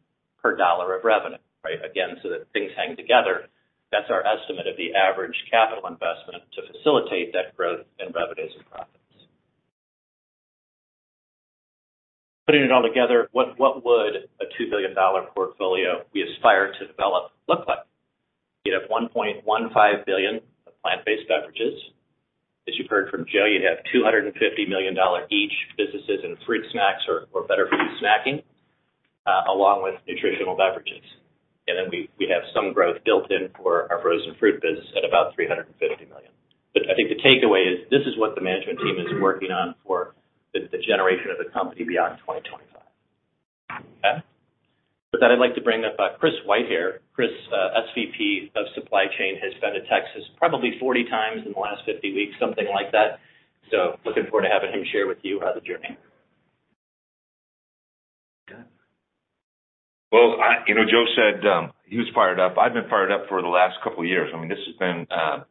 S3: per $ of revenue, right? Again, so that things hang together. That's our estimate of the average capital investment to facilitate that growth in revenues and profits. Putting it all together, what would a $2 billion portfolio we aspire to develop look like? You'd have $1.15 billion of plant-based beverages. As you've heard from Joe, you'd have $250 million each businesses in fruit snacks or better-for-you snacking, along with nutritional beverages. We have some growth built in for our frozen fruit business at about $350 million. I think the takeaway is this is what the management team is working on for the generation of the company beyond 2025. Okay. With that, I'd like to bring up Chris Whitehair. Chris, SVP of Supply Chain, has been to Texas probably 40 times in the last 50 weeks, something like that. Looking forward to having him share with you how the journey.
S4: You know, Joe said, he was fired up. I've been fired up for the last couple of years. I mean, this has been a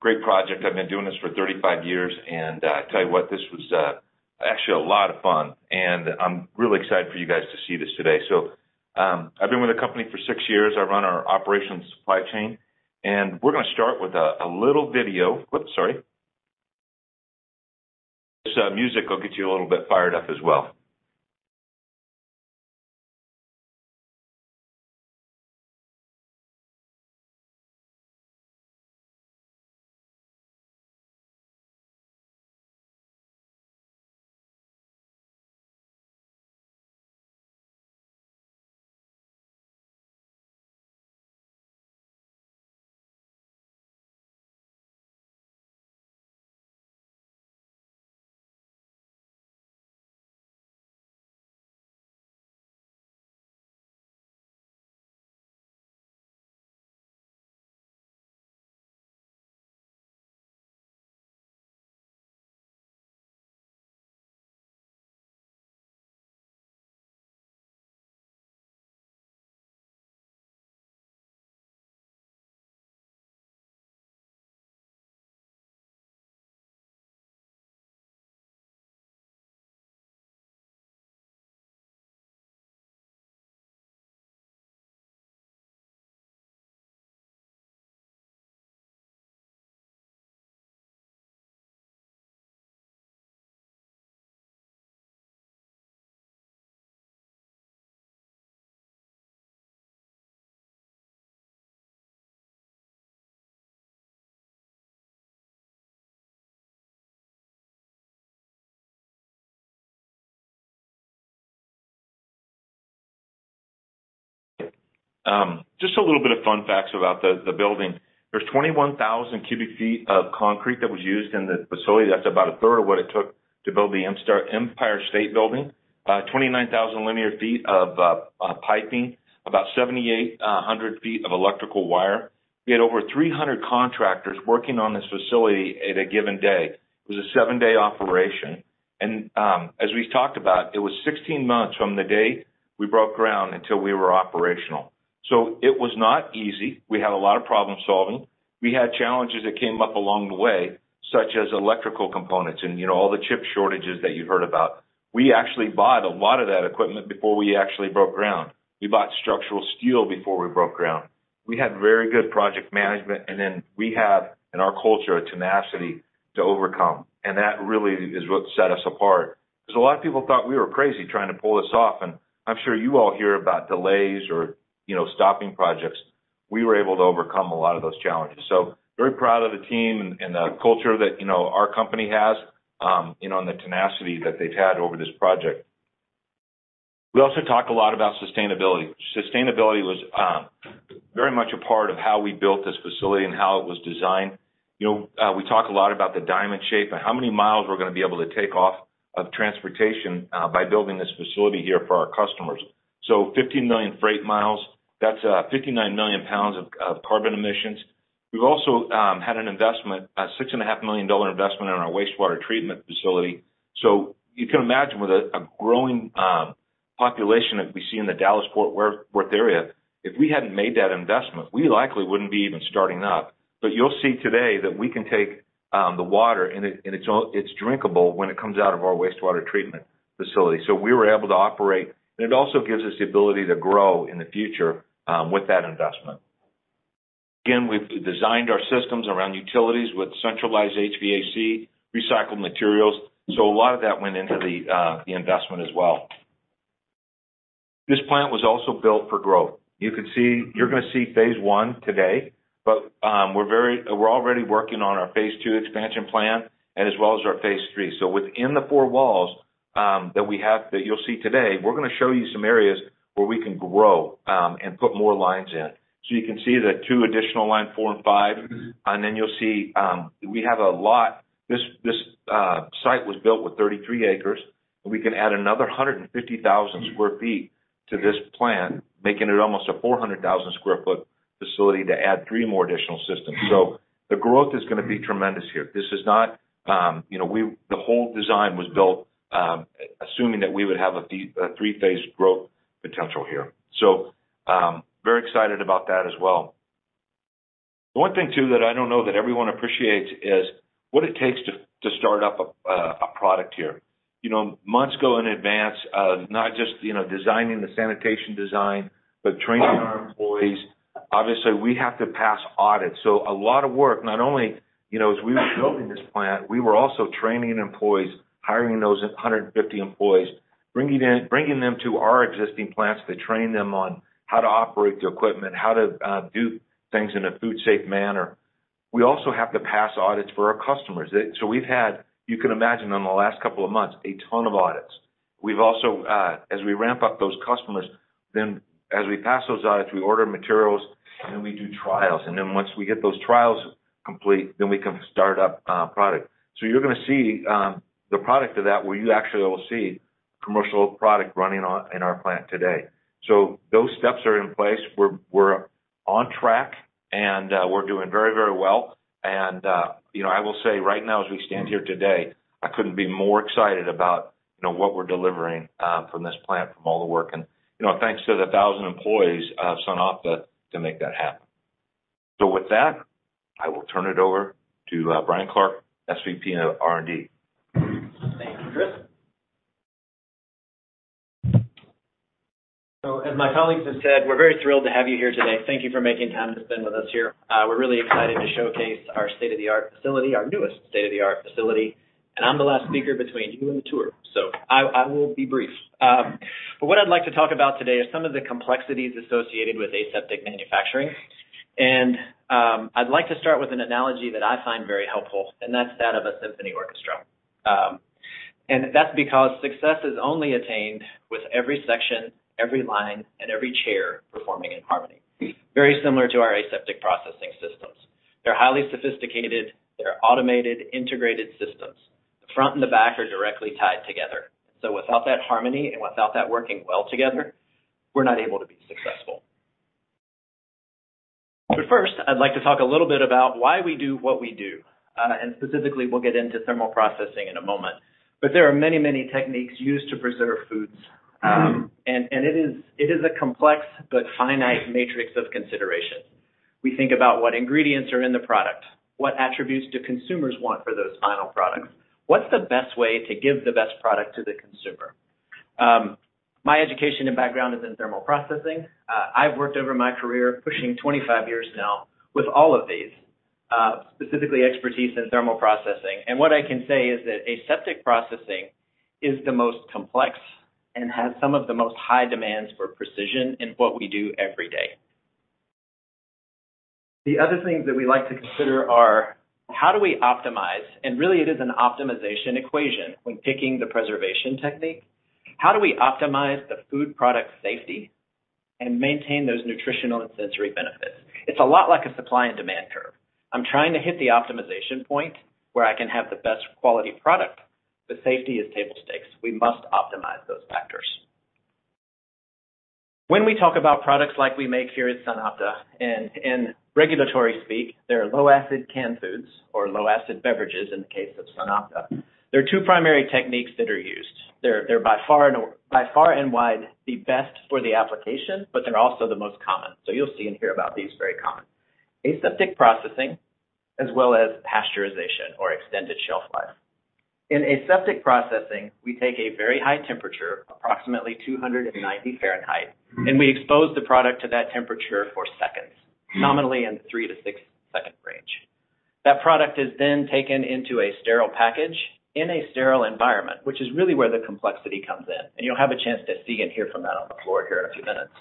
S4: great project. I've been doing this for 35 years, I tell you what, this was actually a lot of fun. I'm really excited for you guys to see this today. I've been with the company for 6 years. I run our operations supply chain, we're gonna start with a little video. Oops, sorry. This music will get you a little bit fired up as well. Just a little bit of fun facts about the building. There's 21,000 cubic feet of concrete that was used in the facility. That's about a third of what it took to build the Empire State Building. 29,000 linear feet of piping, about 7,800 feet of electrical wire. We had over 300 contractors working on this facility at a given day. It was a seven-day operation. As we've talked about, it was 16 months from the day we broke ground until we were operational. It was not easy. We had a lot of problem-solving. We had challenges that came up along the way, such as electrical components and, you know, all the chip shortages that you've heard about. We actually bought a lot of that equipment before we actually broke ground. We bought structural steel before we broke ground. We had very good project management, and then we have, in our culture, a tenacity to overcome. That really is what set us apart. 'Cause a lot of people thought we were crazy trying to pull this off. I'm sure you all hear about delays or, you know, stopping projects. We were able to overcome a lot of those challenges. Very proud of the team and the culture that, you know, our company has, you know, and the tenacity that they've had over this project. We also talk a lot about sustainability. Sustainability was very much a part of how we built this facility and how it was designed. You know, we talk a lot about the diamond shape and how many miles we're gonna be able to take off of transportation by building this facility here for our customers. 50 million freight miles, that's 59 million pounds of carbon emissions. We've also had an investment, a $6.5 million investment in our wastewater treatment facility. You can imagine with a growing population that we see in the Dallas-Fort Worth area, if we hadn't made that investment, we likely wouldn't be even starting up. You'll see today that we can take the water and it's drinkable when it comes out of our wastewater treatment facility. We were able to operate. It also gives us the ability to grow in the future with that investment. Again, we've designed our systems around utilities with centralized HVAC, recycled materials. A lot of that went into the investment as well. This plant was also built for growth. You're gonna see phase one today. We're already working on our phase two expansion plan as well as our phase three. Within the four walls that we have, that you'll see today, we're gonna show you some areas where we can grow and put more lines in. You can see the two additional line four and five, and then you'll see, we have a lot. This site was built with 33 acres, and we can add another 150,000 sq ft to this plant, making it almost a 400,000 sq ft facility to add three more additional systems. The growth is gonna be tremendous here. This is not, you know. The whole design was built assuming that we would have a three-phase growth potential here. Very excited about that as well. The one thing too that I don't know that everyone appreciates is what it takes to start up a product here. You know, months go in advance of not just, you know, designing the sanitation design, but training our employees. Obviously, we have to pass audits, so a lot of work. Not only, you know, as we were building this plant, we were also training employees, hiring those 150 employees, bringing them to our existing plants to train them on how to operate the equipment, how to do things in a food safe manner. We also have to pass audits for our customers. We've had, you can imagine, in the last couple of months, a ton of audits. We've also, as we ramp up those customers, then as we pass those audits, we order materials. We do trials. Once we get those trials complete, then we can start up product. You're gonna see the product of that, where you actually will see commercial product running in our plant today. Those steps are in place. We're on track, we're doing very, very well. You know, I will say right now as we stand here today, I couldn't be more excited about, you know, what we're delivering from this plant from all the work. You know, thanks to the 1,000 employees of SunOpta to make that happen. With that, I will turn it over to Bryan Clark, SVP of R&D.
S5: Thank you, Chris. As my colleagues have said, we're very thrilled to have you here today. Thank you for making time to spend with us here. We're really excited to showcase our state-of-the-art facility, our newest state-of-the-art facility. I'm the last speaker between you and the tour, I will be brief. What I'd like to talk about today is some of the complexities associated with aseptic manufacturing. I'd like to start with an analogy that I find very helpful, and that's that of a symphony orchestra. That's because success is only attained with every section, every line, and every chair performing in harmony. Very similar to our aseptic processing systems. They're highly sophisticated. They're automated, integrated systems. The front and the back are directly tied together. Without that harmony and without that working well together, we're not able to be successful. First, I'd like to talk a little bit about why we do what we do, and specifically, we'll get into thermal processing in a moment. There are many, many techniques used to preserve foods. And it is a complex but finite matrix of consideration. We think about what ingredients are in the product, what attributes do consumers want for those final products. What's the best way to give the best product to the consumer? My education and background is in thermal processing. I've worked over my career, pushing 25 years now, with all of these, specifically expertise in thermal processing. What I can say is that aseptic processing is the most complex and has some of the most high demands for precision in what we do every day. The other things that we like to consider are how do we optimize? Really it is an optimization equation when picking the preservation technique. How do we optimize the food product safety and maintain those nutritional and sensory benefits? It's a lot like a supply and demand curve. I'm trying to hit the optimization point where I can have the best quality product, but safety is table stakes. We must optimize those factors. When we talk about products like we make here at SunOpta, in regulatory speak, they are low-acid canned foods or low-acid beverages in the case of SunOpta. There are two primary techniques that are used. They're by far and wide the best for the application, but they're also the most common. You'll see and hear about these very common. Aseptic processing as well as pasteurization or extended shelf life. In aseptic processing, we take a very high temperature, approximately 290 degrees Fahrenheit, and we expose the product to that temperature for seconds, nominally in 3-6 second range. That product is then taken into a sterile package in a sterile environment, which is really where the complexity comes in, and you'll have a chance to see and hear from that on the floor here in a few minutes.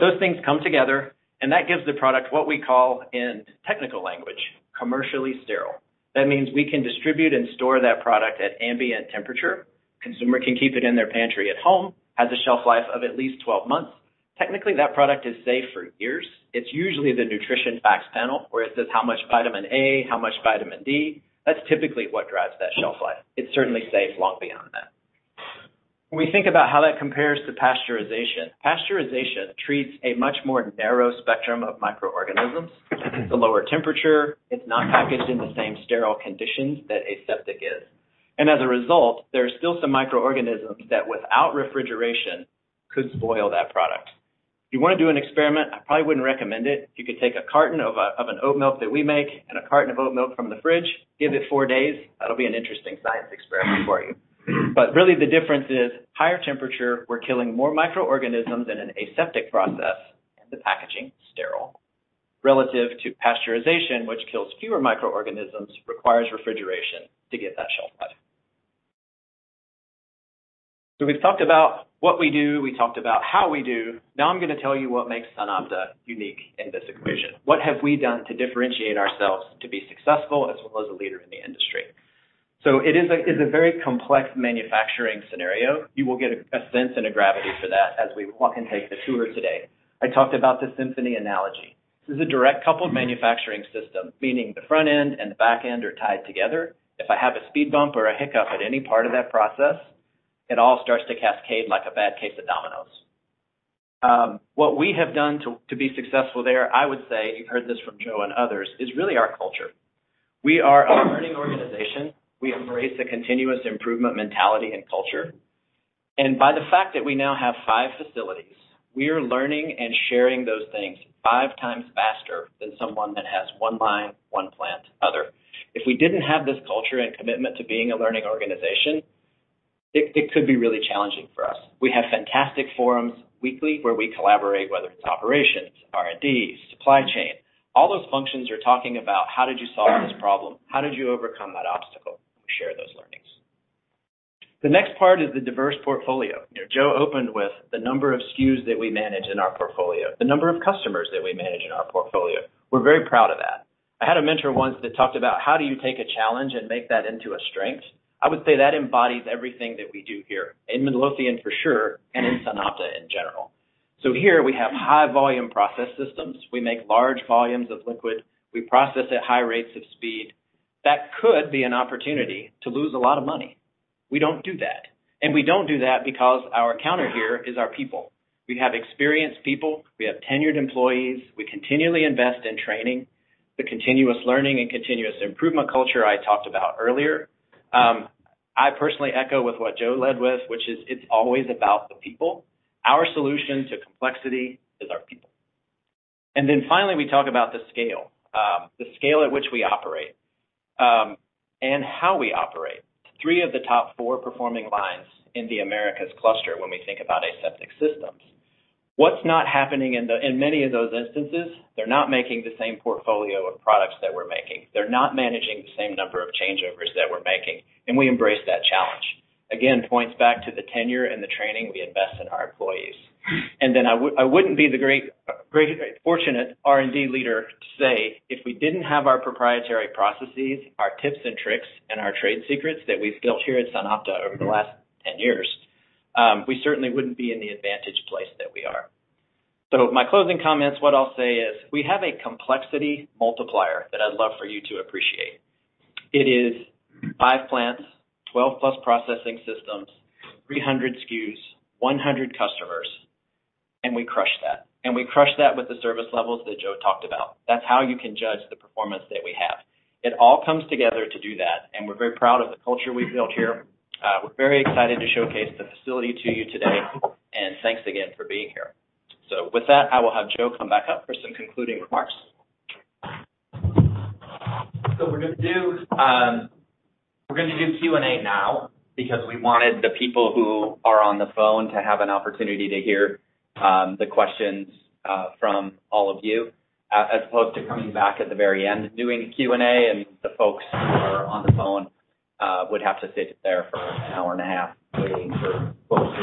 S5: Those things come together, and that gives the product what we call, in technical language, commercially sterile. That means we can distribute and store that product at ambient temperature. Consumer can keep it in their pantry at home, has a shelf life of at least 12 months. Technically, that product is safe for years. It's usually the nutrition facts panel where it says how much vitamin A, how much vitamin D. That's typically what drives that shelf life. It's certainly safe long beyond that. When we think about how that compares to pasteurization treats a much more narrow spectrum of microorganisms. It's a lower temperature. It's not packaged in the same sterile conditions that aseptic is. As a result, there are still some microorganisms that without refrigeration could spoil that product. If you wanna do an experiment, I probably wouldn't recommend it. You could take a carton of an oat milk that we make and a carton of oat milk from the fridge. Give it 4 days. That'll be an interesting science experiment for you. Really the difference is higher temperature, we're killing more microorganisms in an aseptic process, and the packaging is sterile, relative to pasteurization, which kills fewer microorganisms, requires refrigeration to get that shelf life. We've talked about what we do. We talked about how we do. Now I'm gonna tell you what makes SunOpta unique in this equation. What have we done to differentiate ourselves to be successful as well as a leader in the industry? It's a very complex manufacturing scenario. You will get a sense and a gravity for that as we walk and take the tour today. I talked about the symphony analogy. This is a direct coupled manufacturing system, meaning the front end and the back end are tied together. If I have a speed bump or a hiccup at any part of that process, it all starts to cascade like a bad case of dominoes. What we have done to be successful there, I would say, you've heard this from Joe and others, is really our culture. We are a learning organization. We embrace a continuous improvement mentality and culture. By the fact that we now have five facilities, we are learning and sharing those things five times faster than someone that has one line, one plant, other. If we didn't have this culture and commitment to being a learning organization, it could be really challenging for us. We have fantastic forums weekly where we collaborate, whether it's operations, R&D, supply chain, all those functions are talking about how did you solve this problem? How did you overcome that obstacle? We share those learnings. The next part is the diverse portfolio. You know, Joe opened with the number of SKUs that we manage in our portfolio, the number of customers that we manage in our portfolio. We're very proud of that. I had a mentor once that talked about how do you take a challenge and make that into a strength? I would say that embodies everything that we do here in Midlothian, for sure, and in SunOpta in general. Here we have high volume process systems. We make large volumes of liquid. We process at high rates of speed. That could be an opportunity to lose a lot of money. We don't do that. We don't do that because our counter here is our people. We have experienced people. We have tenured employees. We continually invest in training, the continuous learning and continuous improvement culture I talked about earlier. I personally echo with what Joe led with, which is it's always about the people. Our solution to complexity is our people. Finally, we talk about the scale, the scale at which we operate, and how we operate. Three of the top four performing lines in the Americas cluster when we think about aseptic systems. What's not happening in many of those instances, they're not making the same portfolio of products that we're making. They're not managing the same number of changeovers that we're making, and we embrace that challenge. Points back to the tenure and the training we invest in our employees. I wouldn't be very fortunate R&D leader to say if we didn't have our proprietary processes, our tips and tricks, and our trade secrets that we've built here at SunOpta over the last 10 years, we certainly wouldn't be in the advantage place that we are. My closing comments, what I'll say is we have a complexity multiplier that I'd love for you to appreciate. It is five plants, 12 plus processing systems, 300 SKUs, 100 customers, and we crush that. We crush that with the service levels that Joe talked about. That's how you can judge the performance that we have. It all comes together to do that, and we're very proud of the culture we've built here. we're very excited to showcase the facility to you today and thanks again for being here. With that, I will have Joe come back up for some concluding remarks.
S2: We're gonna do Q&A now because we wanted the people who are on the phone to have an opportunity to hear the questions from all of you as opposed to coming back at the very end and doing a Q&A and the folks who are on the phone would have to sit there for 1 hour and a half waiting for folks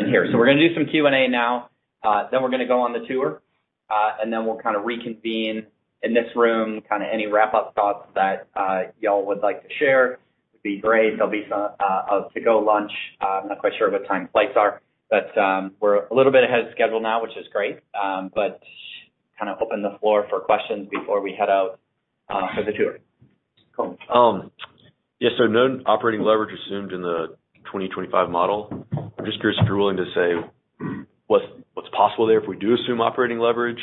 S2: in here. We're gonna do some Q&A now, then we're gonna go on the tour, and then we'll kind of reconvene in this room, kind of any wrap-up thoughts that y'all would like to share. It'd be great. There'll be some a to-go lunch. I'm not quite sure what time flights are, but we're a little bit ahead of schedule now, which is great. Kind of open the floor for questions before we head out for the tour.
S6: Cool. Yes, no operating leverage assumed in the 2025 model. I'm just curious if you're willing to say what's possible there if we do assume operating leverage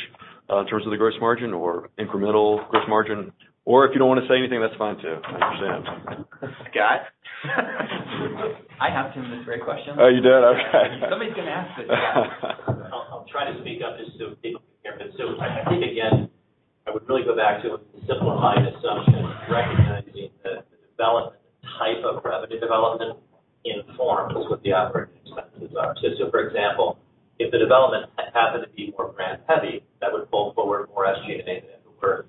S6: in terms of the gross margin or incremental gross margin, or if you don't want to say anything, that's fine, too. I understand. Scott? I have two mystery questions.
S3: Oh, you do? Okay.
S6: Somebody's gonna ask this.
S2: I'll try to speak up just so people can hear. I think, again, I would really go back to a simplified assumption, recognizing the development type of revenue development informs what the operating expenses are. For example, if the development happened to be more brand heavy, that would pull forward more SKUs than for, say, co-manufacturing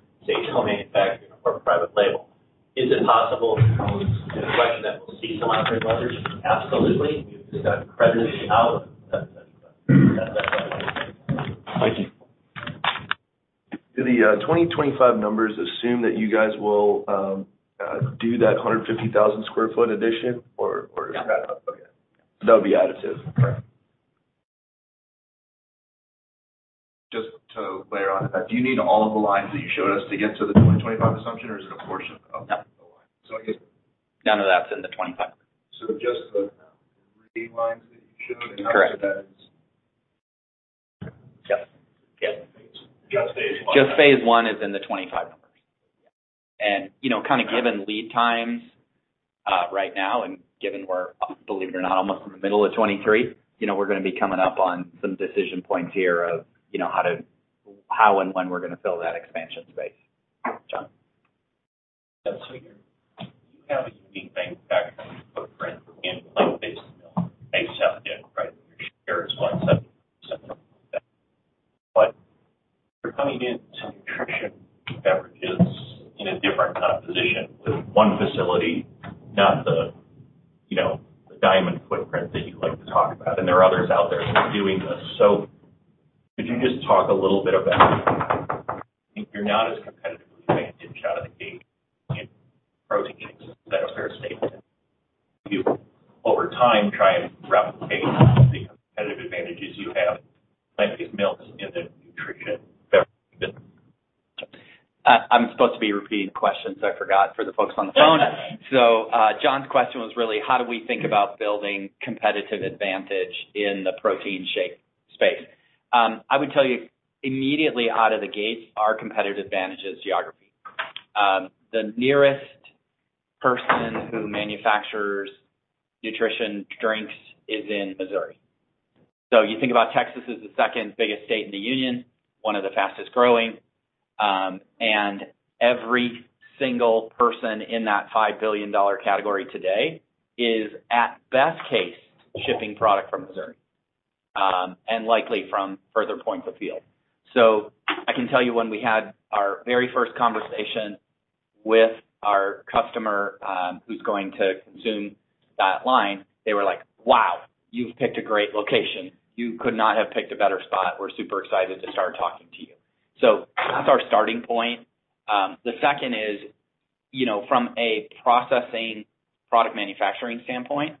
S2: or private label. Is it possible to pose the question that we'll see some operating leverage? Absolutely. We've got precedents out.
S6: Thank you. Do the 2025 numbers assume that you guys will do that 150,000 sq ft addition or is that?
S2: Yeah.
S6: Okay. That would be additive.
S2: Correct.
S6: Just to layer on to that, do you need all of the lines that you showed us to get to the 2025 assumption, or is it a portion of the line?
S2: No.
S6: So I guess-
S2: None of that's in the 25.
S6: Just the three lines that you showed.
S2: Correct.
S6: (audio distortion) after that it's.
S2: Yes. Yes. Just phase 1. Just phase 1 is in the 25 numbers. You know, kind of given lead times right now and given we're, believe it or not, almost in the middle of 23, you know, we're gonna be coming up on some decision points here of, you know, how and when we're gonna fill that expansion space. John.
S6: (audio distortion) You have a unique manufacturing footprint in plant-based milk, aseptic, right? Your share is 170%. You're coming into nutrition beverages in a different kind of position with 1 facility, not the, you know, the diamond footprint that you like to talk about, and there are others out there doing this. Could you just talk a little bit about if you're not as competitively advantaged out of the gate in protein shakes? Is that a fair statement? Do you, over time, try and replicate the competitive advantages you have in plant-based milks in the nutrition beverage business?
S2: I'm supposed to be repeating the question, I forgot for the folks on the phone. John's question was really how do we think about building competitive advantage in the protein shake space? I would tell you immediately out of the gate, our competitive advantage is geography. The nearest person who manufactures nutrition drinks is in Missouri. You think about Texas as the second biggest state in the union, one of the fastest-growing, and every single person in that $5 billion category today is at best case shipping product from Missouri, and likely from further points afield. I can tell you when we had our very first conversation with our customer, who's going to consume that line, they were like, "Wow, you've picked a great location. You could not have picked a better spot. We're super excited to start talking to you." That's our starting point. The second is, you know, from a processing product manufacturing standpoint.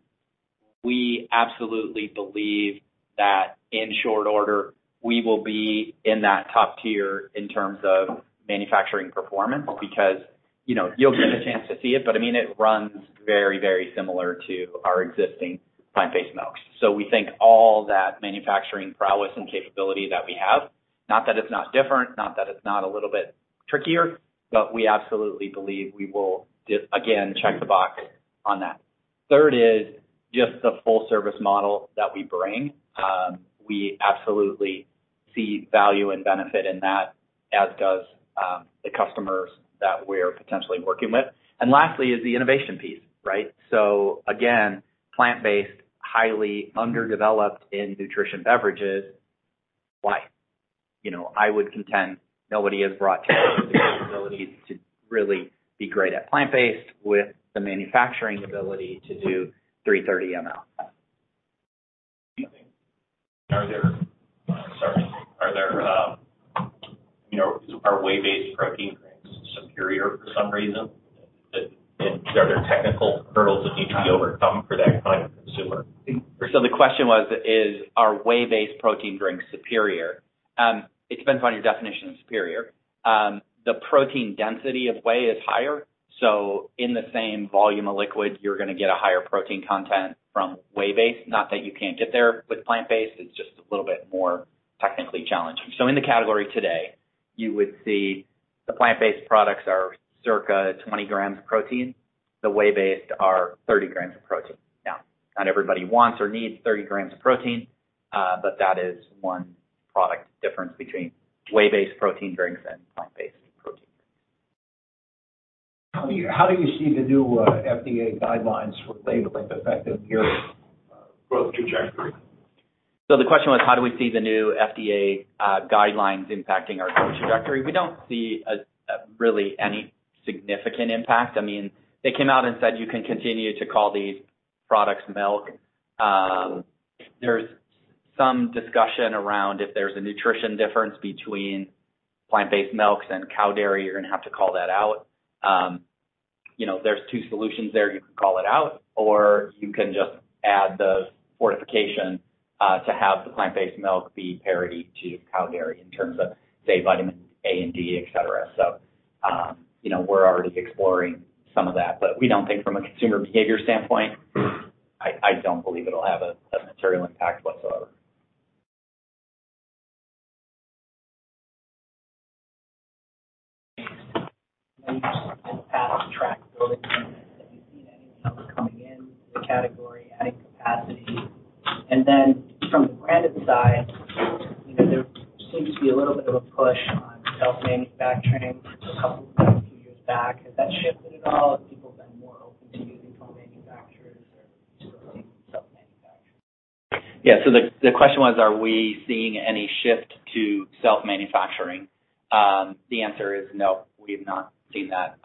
S2: We absolutely believe that in short order, we will be in that top tier in terms of manufacturing performance because, you know, you'll get a chance to see it, but I mean, it runs very, very similar to our existing plant-based milks. We think all that manufacturing prowess and capability that we have, not that it's not different, not that it's not a little bit trickier, but we absolutely believe we will just again, check the box on that. Third is just the full service model that we bring. We absolutely see value and benefit in that, as does, the customers that we're potentially working with. Lastly is the innovation piece, right? Again, plant-based, highly underdeveloped in nutrition beverages. Why? You know, I would contend nobody has brought to the table the ability to really be great at plant-based with the manufacturing ability to do 330 mL.
S6: (audio distortion) Sorry. Are there, you know, are whey-based protein drinks superior for some reason? Are there technical hurdles that need to be overcome for that kind of consumer?
S2: The question was, is are whey-based protein drinks superior? It depends on your definition of superior. The protein density of whey is higher, so in the same volume of liquid, you're gonna get a higher protein content from whey-based. Not that you can't get there with plant-based, it's just a little bit more technically challenging. In the category today, you would see the plant-based products are circa 20 grams of protein. The whey-based are 30 grams of protein. Now, not everybody wants or needs 30 grams of protein, but that is one product difference between whey-based protein drinks and plant-based protein.
S6: How do you see the new FDA guidelines for labeling effective your growth trajectory?
S2: The question was, how do we see the new FDA guidelines impacting our growth trajectory? We don't see really any significant impact. I mean, they came out and said, you can continue to call these products milk. There's some discussion around if there's a nutrition difference between plant-based milks and cow dairy, you're gonna have to call that out. You know, there's 2 solutions there. You can call it out or you can just add the fortification to have the plant-based milk be parity to cow dairy in terms of say, vitamin A and D, etc. You know, we're already exploring some of that, but we don't think from a consumer behavior standpoint, I don't believe it'll have a material impact whatsoever.
S6: (audio distortion) In the past track building, have you seen anything else coming in the category, adding capacity? From the branded side, you know, there seems to be a little bit of a push on self-manufacturing a couple few years back. Has that shifted at all? Have people been more open to using co-manufacturers or still self-manufacturing?
S2: Yeah. The question was, are we seeing any shift to self-manufacturing? The answer is no, we have not seen that.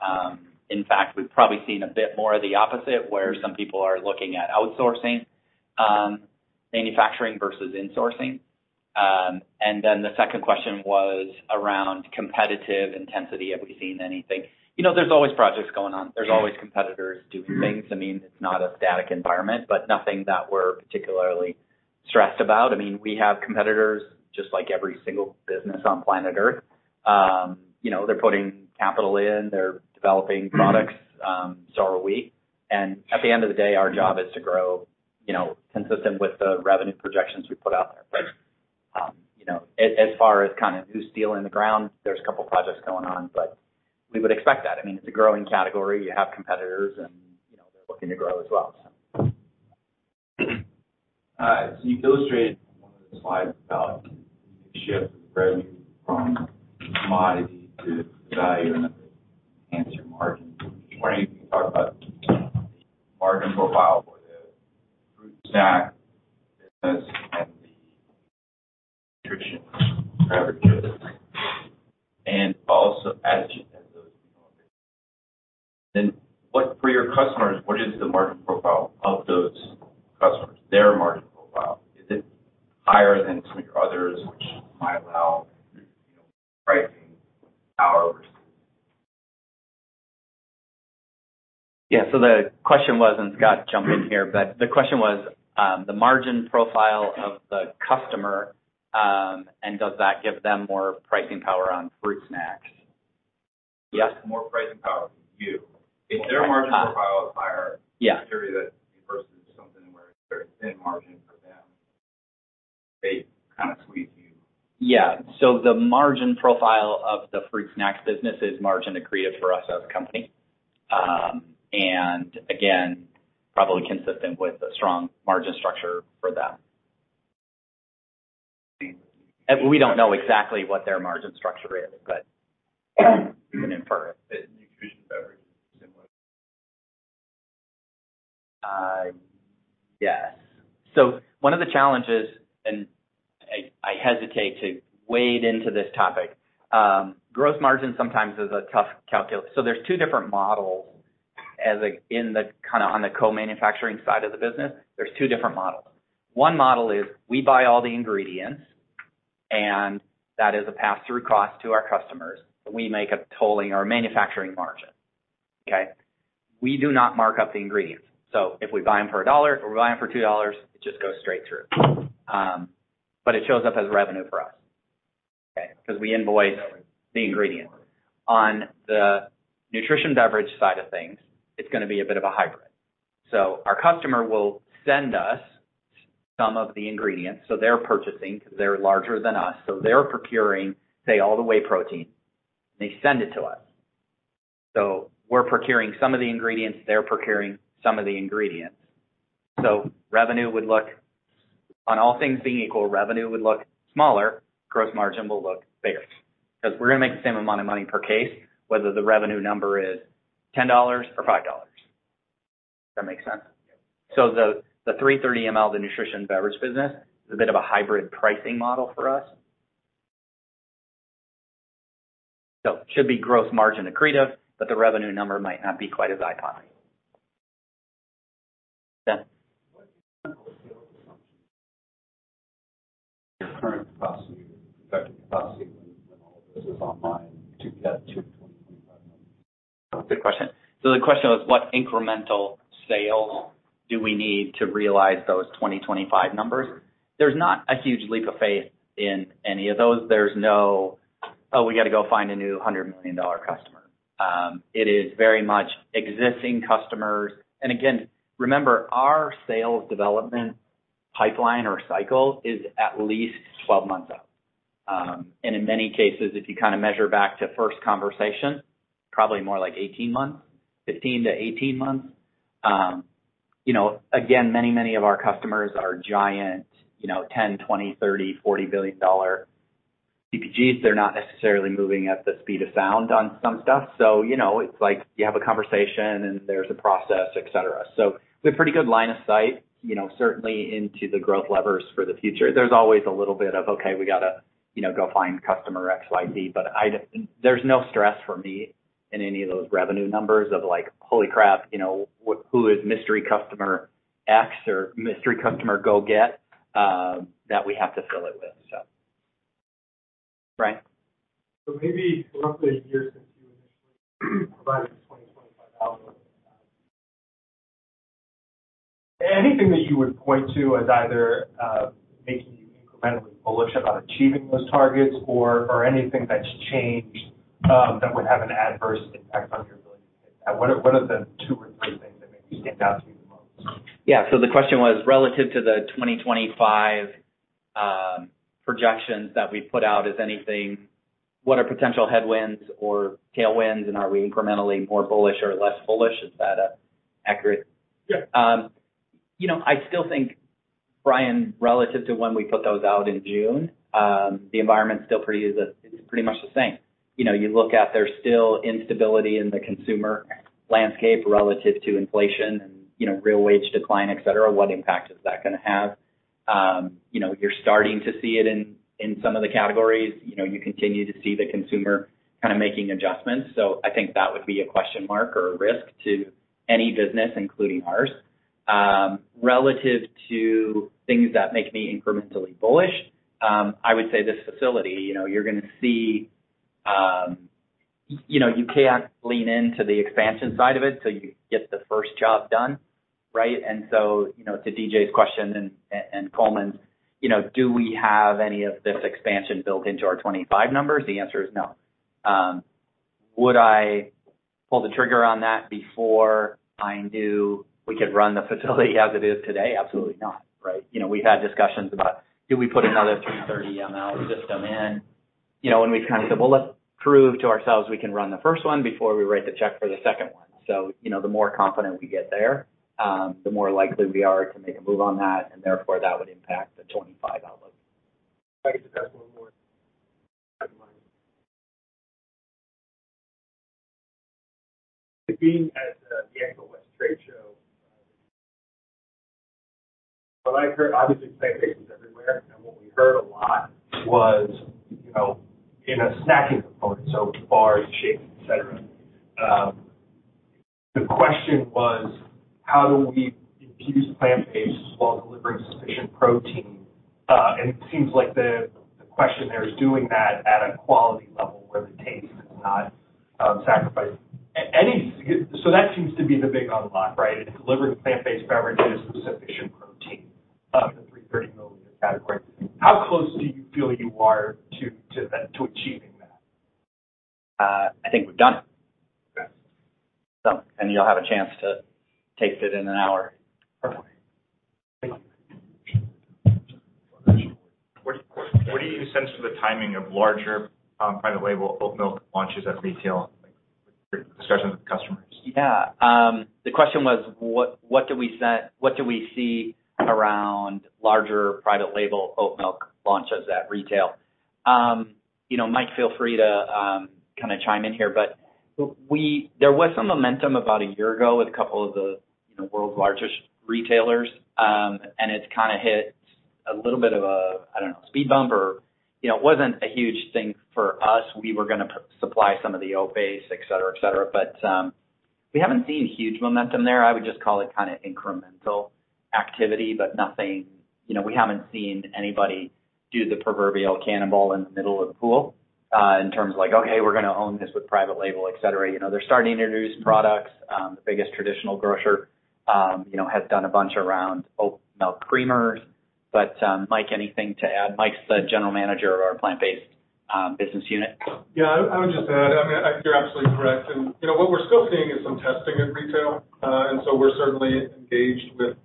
S2: In fact, we've probably seen a bit more of the opposite, where some people are looking at outsourcing, manufacturing versus insourcing. The second question was around competitive intensity. Have we seen anything? You know, there's always projects going on. There's always competitors doing things. I mean, it's not a static environment, but nothing that we're particularly stressed about. I mean, we have competitors just like every single business on planet Earth. You know, they're putting capital in, they're developing products, so are we, and at the end of the day, our job is to grow, you know, consistent with the revenue projections we put out there. You know, as far as kind of who's steel in the ground, there's a couple projects going on, but we would expect that. I mean, it's a growing category. You have competitors and, you know, they're looking to grow as well.
S6: (audio distortion) All right. You've illustrated one of the slides about shift revenue from commodity to value and enhance your margin. I was wondering if you could talk about margin profile for the fruit snack business and the nutrition beverage business. Also what for your customers, what is the margin profile of those customers? Their margin profile, is it higher than some of your others, which might allow, you know, pricing power?
S2: Yeah. The question was, and Scott jump in here, but the question was, the margin profile of the customer, and does that give them more pricing power on fruit snacks? Yes.
S6: More pricing power to you. If their margin profile is higher-
S2: Yeah.
S6: (audio distortion) theory that versus something where there's thin margin for them, they kind of squeeze you.
S2: The margin profile of the fruit snack business is margin accretive for us as a company. Again, probably consistent with a strong margin structure for them. We don't know exactly what their margin structure is, but we can infer it.
S6: The nutrition beverage is similar.
S2: Yes. One of the challenges, and I hesitate to wade into this topic, gross margin sometimes is a tough calculus. There's two different models as like in the kind of on the co-manufacturing side of the business, there's two different models. One model is we buy all the ingredients. That is a pass-through cost to our customers. We make a tolling or manufacturing margin, okay? We do not mark up the ingredients. If we buy them for $1, if we buy them for $2, it just goes straight through. It shows up as revenue for us, okay? Because we invoice the ingredient. On the nutrition beverage side of things, it's gonna be a bit of a hybrid. Our customer will send us some of the ingredients. They're purchasing because they're larger than us. They're procuring, say, all the whey protein. They send it to us. We're procuring some of the ingredients, they're procuring some of the ingredients. Revenue would look... On all things being equal, revenue would look smaller, gross margin will look bigger. Because we're gonna make the same amount of money per case, whether the revenue number is $10 or $5. Does that make sense?
S6: Yes.
S2: The 330 mL, the nutrition beverage business, is a bit of a hybrid pricing model for us. It should be gross margin accretive, but the revenue number might not be quite as eye-popping. Ben?
S6: (audio distortion) Your current cost, effective cost sequence when all of this is online to get to $20 million-$25 million.
S2: Good question. The question was, what incremental sales do we need to realize those 2025 numbers? There's not a huge leap of faith in any of those. There's no, "Oh, we got to go find a new $100 million customer." It is very much existing customers. Again, remember, our sales development pipeline or cycle is at least 12 months out. In many cases, if you kind of measure back to first conversation, probably more like 18 months, 15-18 months. You know, again, many of our customers are giant, you know, $10 billion, $20 billion, $30 billion, $40 billion CPGs. They're not necessarily moving at the speed of sound on some stuff. You know, it's like you have a conversation, and there's a process, et cetera. We have pretty good line of sight, you know, certainly into the growth levers for the future. There's always a little bit of, okay, we got to, you know, go find customer X, Y, Z. I don't There's no stress for me in any of those revenue numbers of like, holy crap, you know, who is mystery customer X or mystery customer go get that we have to fill it with. Brian?
S6: (audio distortion) Maybe roughly a year since you initially provided the 2025 outlook, anything that you would point to as either making you incrementally bullish about achieving those targets or anything that's changed that would have an adverse impact on your ability to hit that? What are the two or three things that maybe stand out to you the most?
S2: Yeah. The question was, relative to the 2025, projections that we put out, what are potential headwinds or tailwinds, and are we incrementally more bullish or less bullish? Is that accurate?
S6: Yeah.
S2: You know, I still think, Brian, relative to when we put those out in June, the environment's still is pretty much the same. You know, you look at there's still instability in the consumer landscape relative to inflation and, you know, real wage decline, et cetera. What impact is that gonna have? You know, you're starting to see it in some of the categories. You know, you continue to see the consumer kind of making adjustments. I think that would be a question mark or a risk to any business, including ours. Relative to things that make me incrementally bullish, I would say this facility, you know, you're gonna see. You know, you can't lean into the expansion side of it till you get the first job done, right? You know, to DJ's question and Coleman's, you know, do we have any of this expansion built into our 25 numbers? The answer is no. Would I pull the trigger on that before I knew we could run the facility as it is today? Absolutely not, right? You know, we've had discussions about, do we put another 330 mL system in? You know, and we've kind of said, "Well, let's prove to ourselves we can run the first one before we write the check for the second one." The more confident we get there, the more likely we are to make a move on that, and therefore, that would impact the 25 outlook.
S6: (audio distortion) If I could just ask one more. Being at the Expo West trade show, what I heard, obviously, conversations everywhere, and what we heard a lot was, you know, in a snacking component, so bars, shakes, et cetera, the question was, how do we infuse plant-based while delivering sufficient protein? It seems like the question there is doing that at a quality level where the taste is not sacrificed. That seems to be the big unlock, right? Delivering plant-based beverages with sufficient protein in the 330 mL category. How close do you feel you are to that, to achieving that?
S2: I think we've done it.
S6: Okay.
S2: You'll have a chance to taste it in an hour.
S6: Perfect. Thank you.
S2: Sure.
S6: What do you sense for the timing of larger, private label oat milk launches at retail, like with your discussions with customers?
S2: Yeah. The question was, what do we see around larger private label oat milk launches at retail? You know, Mike, feel free to kind of chime in here. There was some momentum about a year ago with a couple of the, you know, world's largest retailers. And it's kind of hit a little bit of a, I don't know, speed bump or... You know, it wasn't a huge thing for us. We were gonna supply some of the oat base, et cetera, et cetera. We haven't seen huge momentum there. I would just call it kind of incremental activity, but nothing... You know, we haven't seen anybody do the proverbial cannonball in the middle of the pool, in terms of like, "Okay, we're gonna own this with private label," et cetera. You know, they're starting to introduce products. The biggest traditional grocer, you know, has done a bunch around oat milk creamers. Mike, anything to add? Mike's the general manager of our plant-based business unit.
S7: Yeah, I would just add, I mean, I think you're absolutely correct. You know, what we're still seeing is some testing in retail. We're certainly engaged with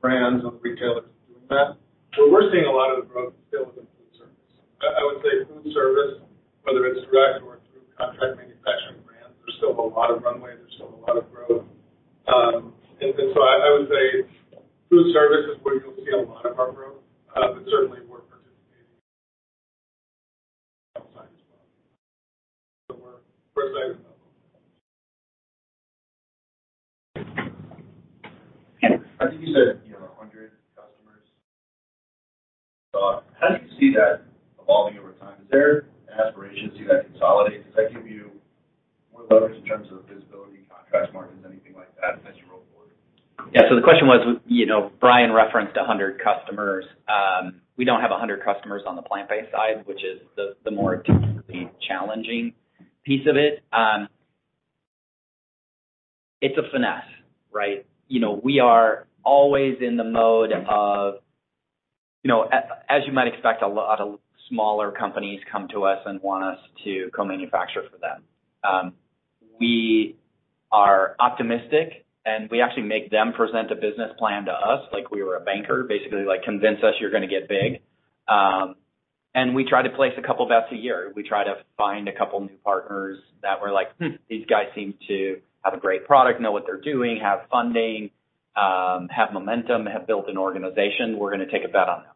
S7: brands and retailers in doing that. Where we're seeing a lot of the growth still is in food service. I would say food service, whether it's direct or through contract manufacturing brands, there's still a lot of runway, there's still a lot of growth. I would say food service is where you'll see a lot of our growth. Certainly we're participating outside as well. We're excited about both.
S2: Yeah.
S6: I think you said, you know, 100 customers. How do you see that evolving over time? Is there an aspiration to see that consolidate? Does that give you more leverage in terms of visibility, contract margins, anything like that as you roll forward?
S2: Yeah. The question was, you know, Brian referenced 100 customers. We don't have 100 customers on the plant-based side, which is the more technically challenging piece of it. It's a finesse, right? You know, we are always in the mode of, you know. As you might expect, a lot of smaller companies come to us and want us to co-manufacture for them. We are optimistic, and we actually make them present a business plan to us like we were a banker. Basically, like convince us you're gonna get big. We try to place a couple bets a year. We try to find a couple new partners that we're like, "Hmm, these guys seem to have a great product, know what they're doing, have funding, have momentum, have built an organization. We're gonna take a bet on them."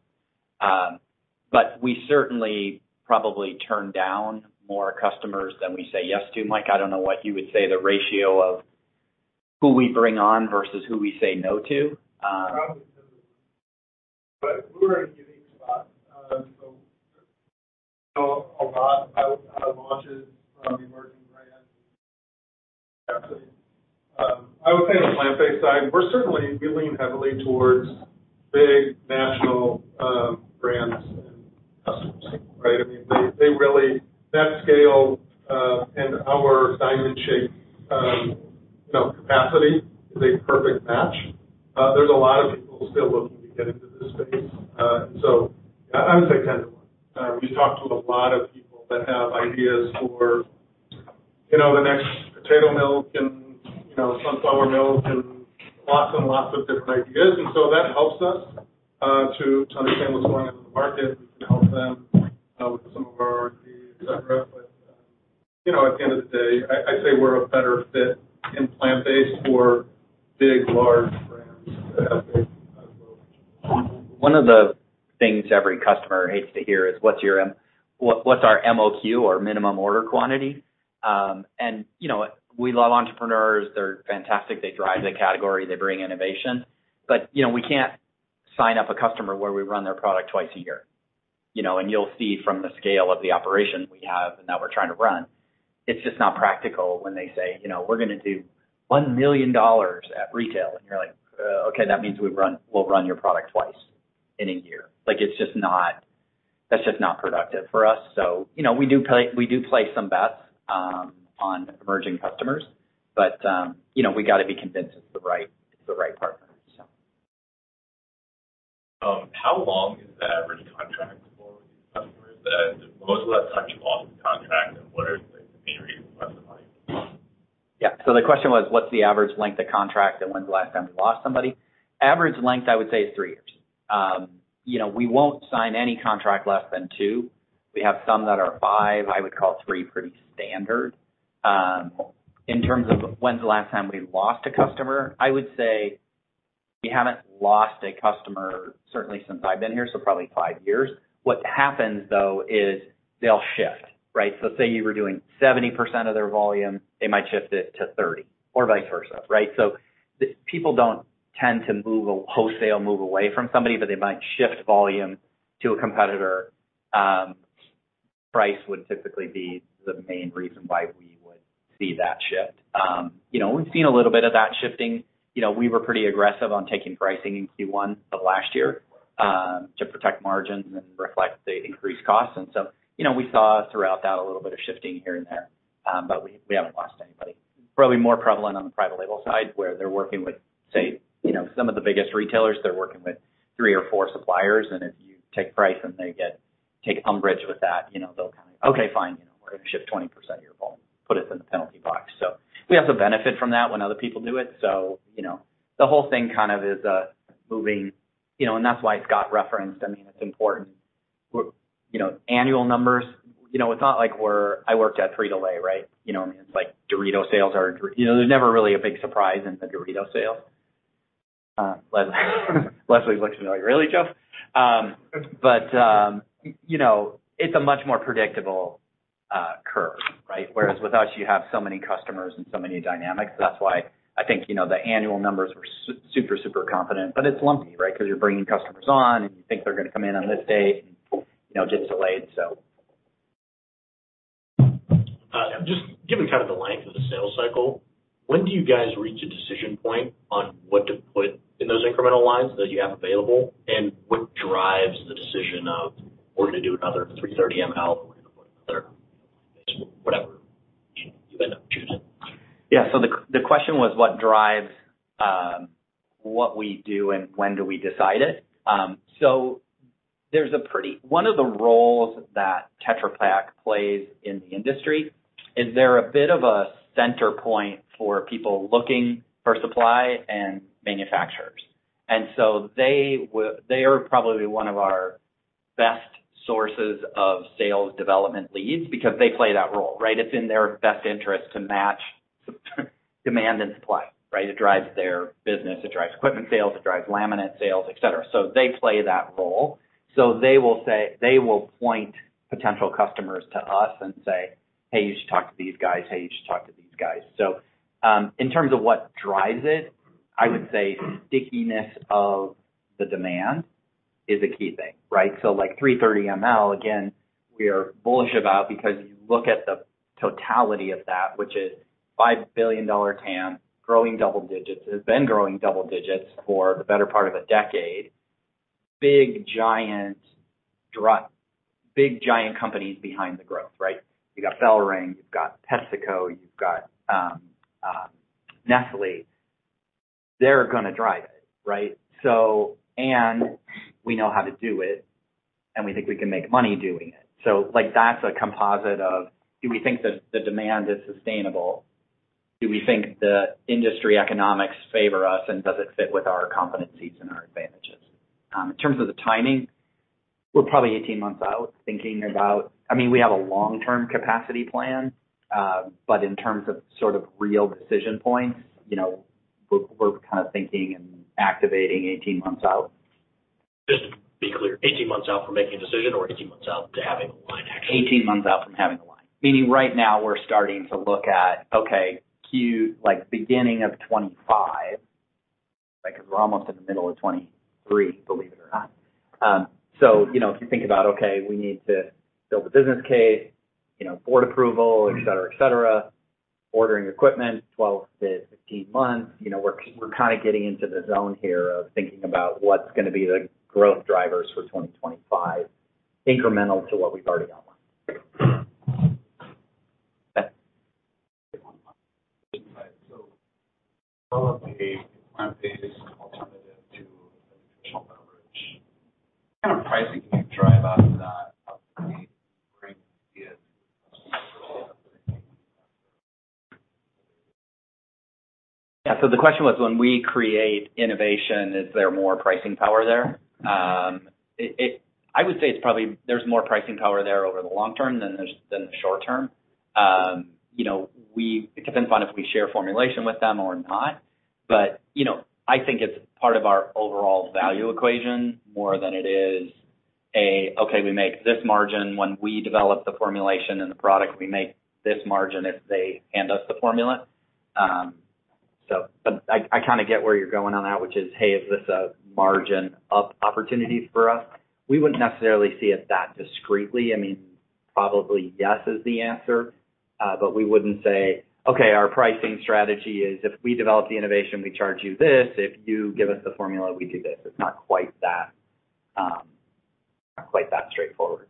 S2: We certainly probably turn down more customers than we say yes to. Mike, I don't know what you would say the ratio of who we bring on versus who we say no to.
S7: Probably 10 to 1. We're in a unique spot. You know, a lot of launches from emerging brands.
S2: Yeah.
S7: I would say on the plant-based side, We lean heavily towards big national brands and customers, right? I mean, That scale and our diamond shape, you know, capacity is a perfect match. There's a lot of people still looking to get into this space. I would say 10 to 1. We talk to a lot of people that have ideas for, you know, the next potato milk and, you know, sunflower milk and lots and lots of different ideas. That helps us to understand what's going on in the market. We can help them with some of our R&D, et cetera. You know, at the end of the day, I'd say we're a better fit in plant-based for big, large brands that have big global
S2: One of the things every customer hates to hear is what's our MOQ, our minimum order quantity. You know, we love entrepreneurs. They're fantastic. They drive the category. They bring innovation. You know, we can't sign up a customer where we run their product twice a year. You know, you'll see from the scale of the operation we have and that we're trying to run, it's just not practical when they say, you know, "We're gonna do $1 million at retail." And you're like, "Okay, that means we'll run your product twice in a year." Like, that's just not productive for us. You know, we do place some bets on emerging customers, you know, we gotta be convinced it's the right, it's the right partner, so.
S6: How long is the average contract for these customers? When's the last time you lost a contract? What are the material reasons why you lost them?
S2: Yeah. The question was, what's the average length of contract, and when's the last time we lost somebody? Average length, I would say, is 3 years. You know, we won't sign any contract less than 2. We have some that are 5. I would call 3 pretty standard. In terms of when's the last time we lost a customer, I would say we haven't lost a customer certainly since I've been here, so probably 5 years. What happens, though, is they'll shift, right? Say you were doing 70% of their volume, they might shift it to 30 or vice versa, right? People don't tend to move wholesale move away from somebody, but they might shift volume to a competitor. Price would typically be the main reason why we would see that shift. You know, we've seen a little bit of that shifting. You know, we were pretty aggressive on taking pricing in Q1 of last year, to protect margins and reflect the increased costs. You know, we saw throughout that a little bit of shifting here and there. We haven't lost anybody. Probably more prevalent on the private label side where they're working with, say, you know, some of the biggest retailers, they're working with three or four suppliers, and if you take price and they take umbrage with that, you know, they'll kind of, "Okay, fine. You know, we're gonna shift 20% of your volume, put us in the penalty box." We also benefit from that when other people do it. You know, the whole thing kind of is moving. You know, that's why Scott referenced, I mean, it's important. You know, annual numbers, you know, it's not like. I worked at Frito-Lay, right? You know what I mean? It's like Doritos sales. You know, there's never really a big surprise in the Doritos sales. Leslie looks at me like, "Really, Jeff?" You know, it's a much more predictable curve, right? Whereas with us, you have so many customers and so many dynamics. That's why I think, you know, the annual numbers were super confident. It's lumpy, right? 'Cause you're bringing customers on, and you think they're gonna come in on this date and, you know, gets delayed.
S6: Just given kind of the length of the sales cycle, when do you guys reach a decision point on what to put in those incremental lines that you have available? What drives the decision of we're gonna do another 330 mL, or we're gonna do another whatever you end up choosing?
S2: The question was what drives what we do and when do we decide it? There's a pretty... One of the roles that Tetra Pak plays in the industry is they're a bit of a center point for people looking for supply and manufacturers. They are probably one of our best sources of sales development leads because they play that role, right? It's in their best interest to match demand and supply, right? It drives their business, it drives equipment sales, it drives laminate sales, et cetera. They play that role. They will point potential customers to us and say, "Hey, you should talk to these guys. Hey, you should talk to these guys." In terms of what drives it, I would say stickiness of the demand is a key thing, right? Like 330 mL, again, we are bullish about because you look at the totality of that, which is $5 billion TAM growing double digits. It has been growing double digits for the better part of a decade. Big, giant companies behind the growth, right? You've got BellRing, you've got PepsiCo, you've got Nestlé. They're gonna drive it, right? We know how to do it, and we think we can make money doing it. Like, that's a composite of, do we think that the demand is sustainable? Do we think the industry economics favor us, and does it fit with our competencies and our advantages? In terms of the timing, we're probably 18 months out thinking about... I mean, we have a long-term capacity plan, but in terms of sort of real decision points, you know, we're kind of thinking and activating 18 months out.
S6: Just to be clear, 18 months out from making a decision or 18 months out to having a line actually?
S2: 18 months out from having a line. Meaning right now we're starting to look at, okay, Q, beginning of 25, because we're almost in the middle of 23, believe it or not. If you think about, okay, we need to build a business case, board approval, et cetera, et cetera. Ordering equipment, 12-15 months. We're kind of getting into the zone here of thinking about what's gonna be the growth drivers for 2025 incremental to what we've already got running. That's it.
S6: (audio distortion) Develop a plant-based alternative to traditional beverage. What kind of pricing can you drive out of that?
S2: Yeah. The question was, when we create innovation, is there more pricing power there? I would say it's probably there's more pricing power there over the long term than the short term. you know, It depends upon if we share formulation with them or not. you know, I think it's part of our overall value equation more than it is a, okay, we make this margin when we develop the formulation and the product. We make this margin if they hand us the formula. I kinda get where you're going on that, which is, hey, is this a margin up opportunity for us? We wouldn't necessarily see it that discreetly. I mean, probably yes is the answer. we wouldn't say, "Okay, our pricing strategy is if we develop the innovation, we charge you this. If you give us the formula, we do this." It's not quite that, not quite that straightforward.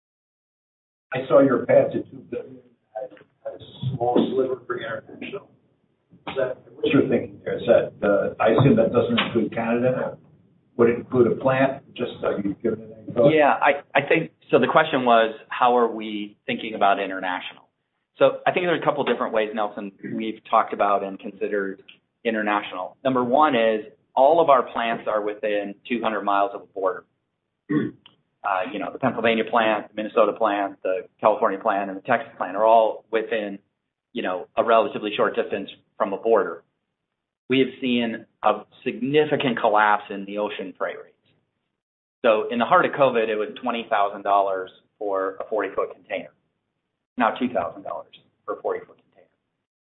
S6: (audio distortion) I saw your path to $2 billion has a small sliver for international. What's your thinking there? I assume that doesn't include Canada. Would it include a plant? Just so you can give an input.
S2: Yeah. I think the question was, how are we thinking about international? I think there are a couple different ways, Nelson, we've talked about and considered international. Number one is all of our plants are within 200 miles of the border. You know, the Pennsylvania plant, the Minnesota plant, the California plant, and the Texas plant are all within, you know, a relatively short distance from a border. We have seen a significant collapse in the ocean freight rates. In the heart of COVID, it was $20,000 for a 40-foot container. Now $2,000 for a 40-foot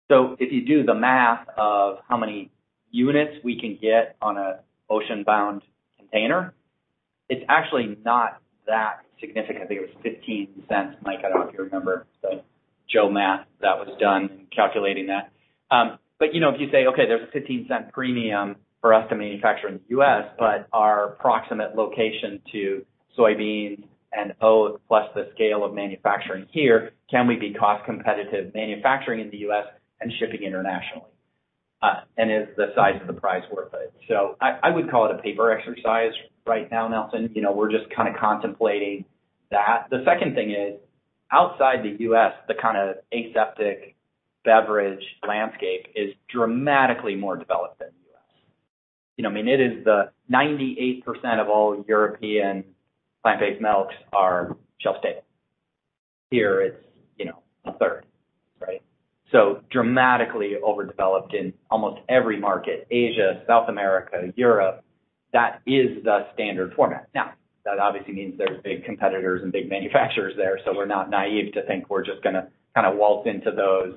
S2: container. If you do the math of how many units we can get on a ocean-bound container, it's actually not that significant. I think it was $0.15. Mike, I don't know if you remember the Joe math that was done in calculating that. You know, if you say, okay, there's a $0.15 premium for us to manufacture in the U.S., but our proximate location to soybeans and oats, plus the scale of manufacturing here, can we be cost competitive manufacturing in the U.S. and shipping internationally? Is the size of the price worth it? I would call it a paper exercise right now, Nelson. You know, we're just kinda contemplating that. The second thing is, outside the U.S., the kinda aseptic beverage landscape is dramatically more developed than the U.S. You know, I mean, it is the 98% of all European plant-based milks are shelf-stable. Here, it's, you know, a third, right? Dramatically overdeveloped in almost every market. Asia, South America, Europe, that is the standard format. Now, that obviously means there's big competitors and big manufacturers there. We're not naive to think we're just gonna kinda waltz into those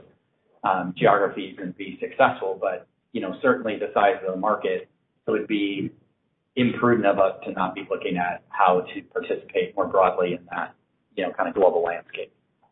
S2: geographies and be successful. You know, certainly the size of the market, it would be imprudent of us to not be looking at how to participate more broadly in that, you know, kinda global landscape.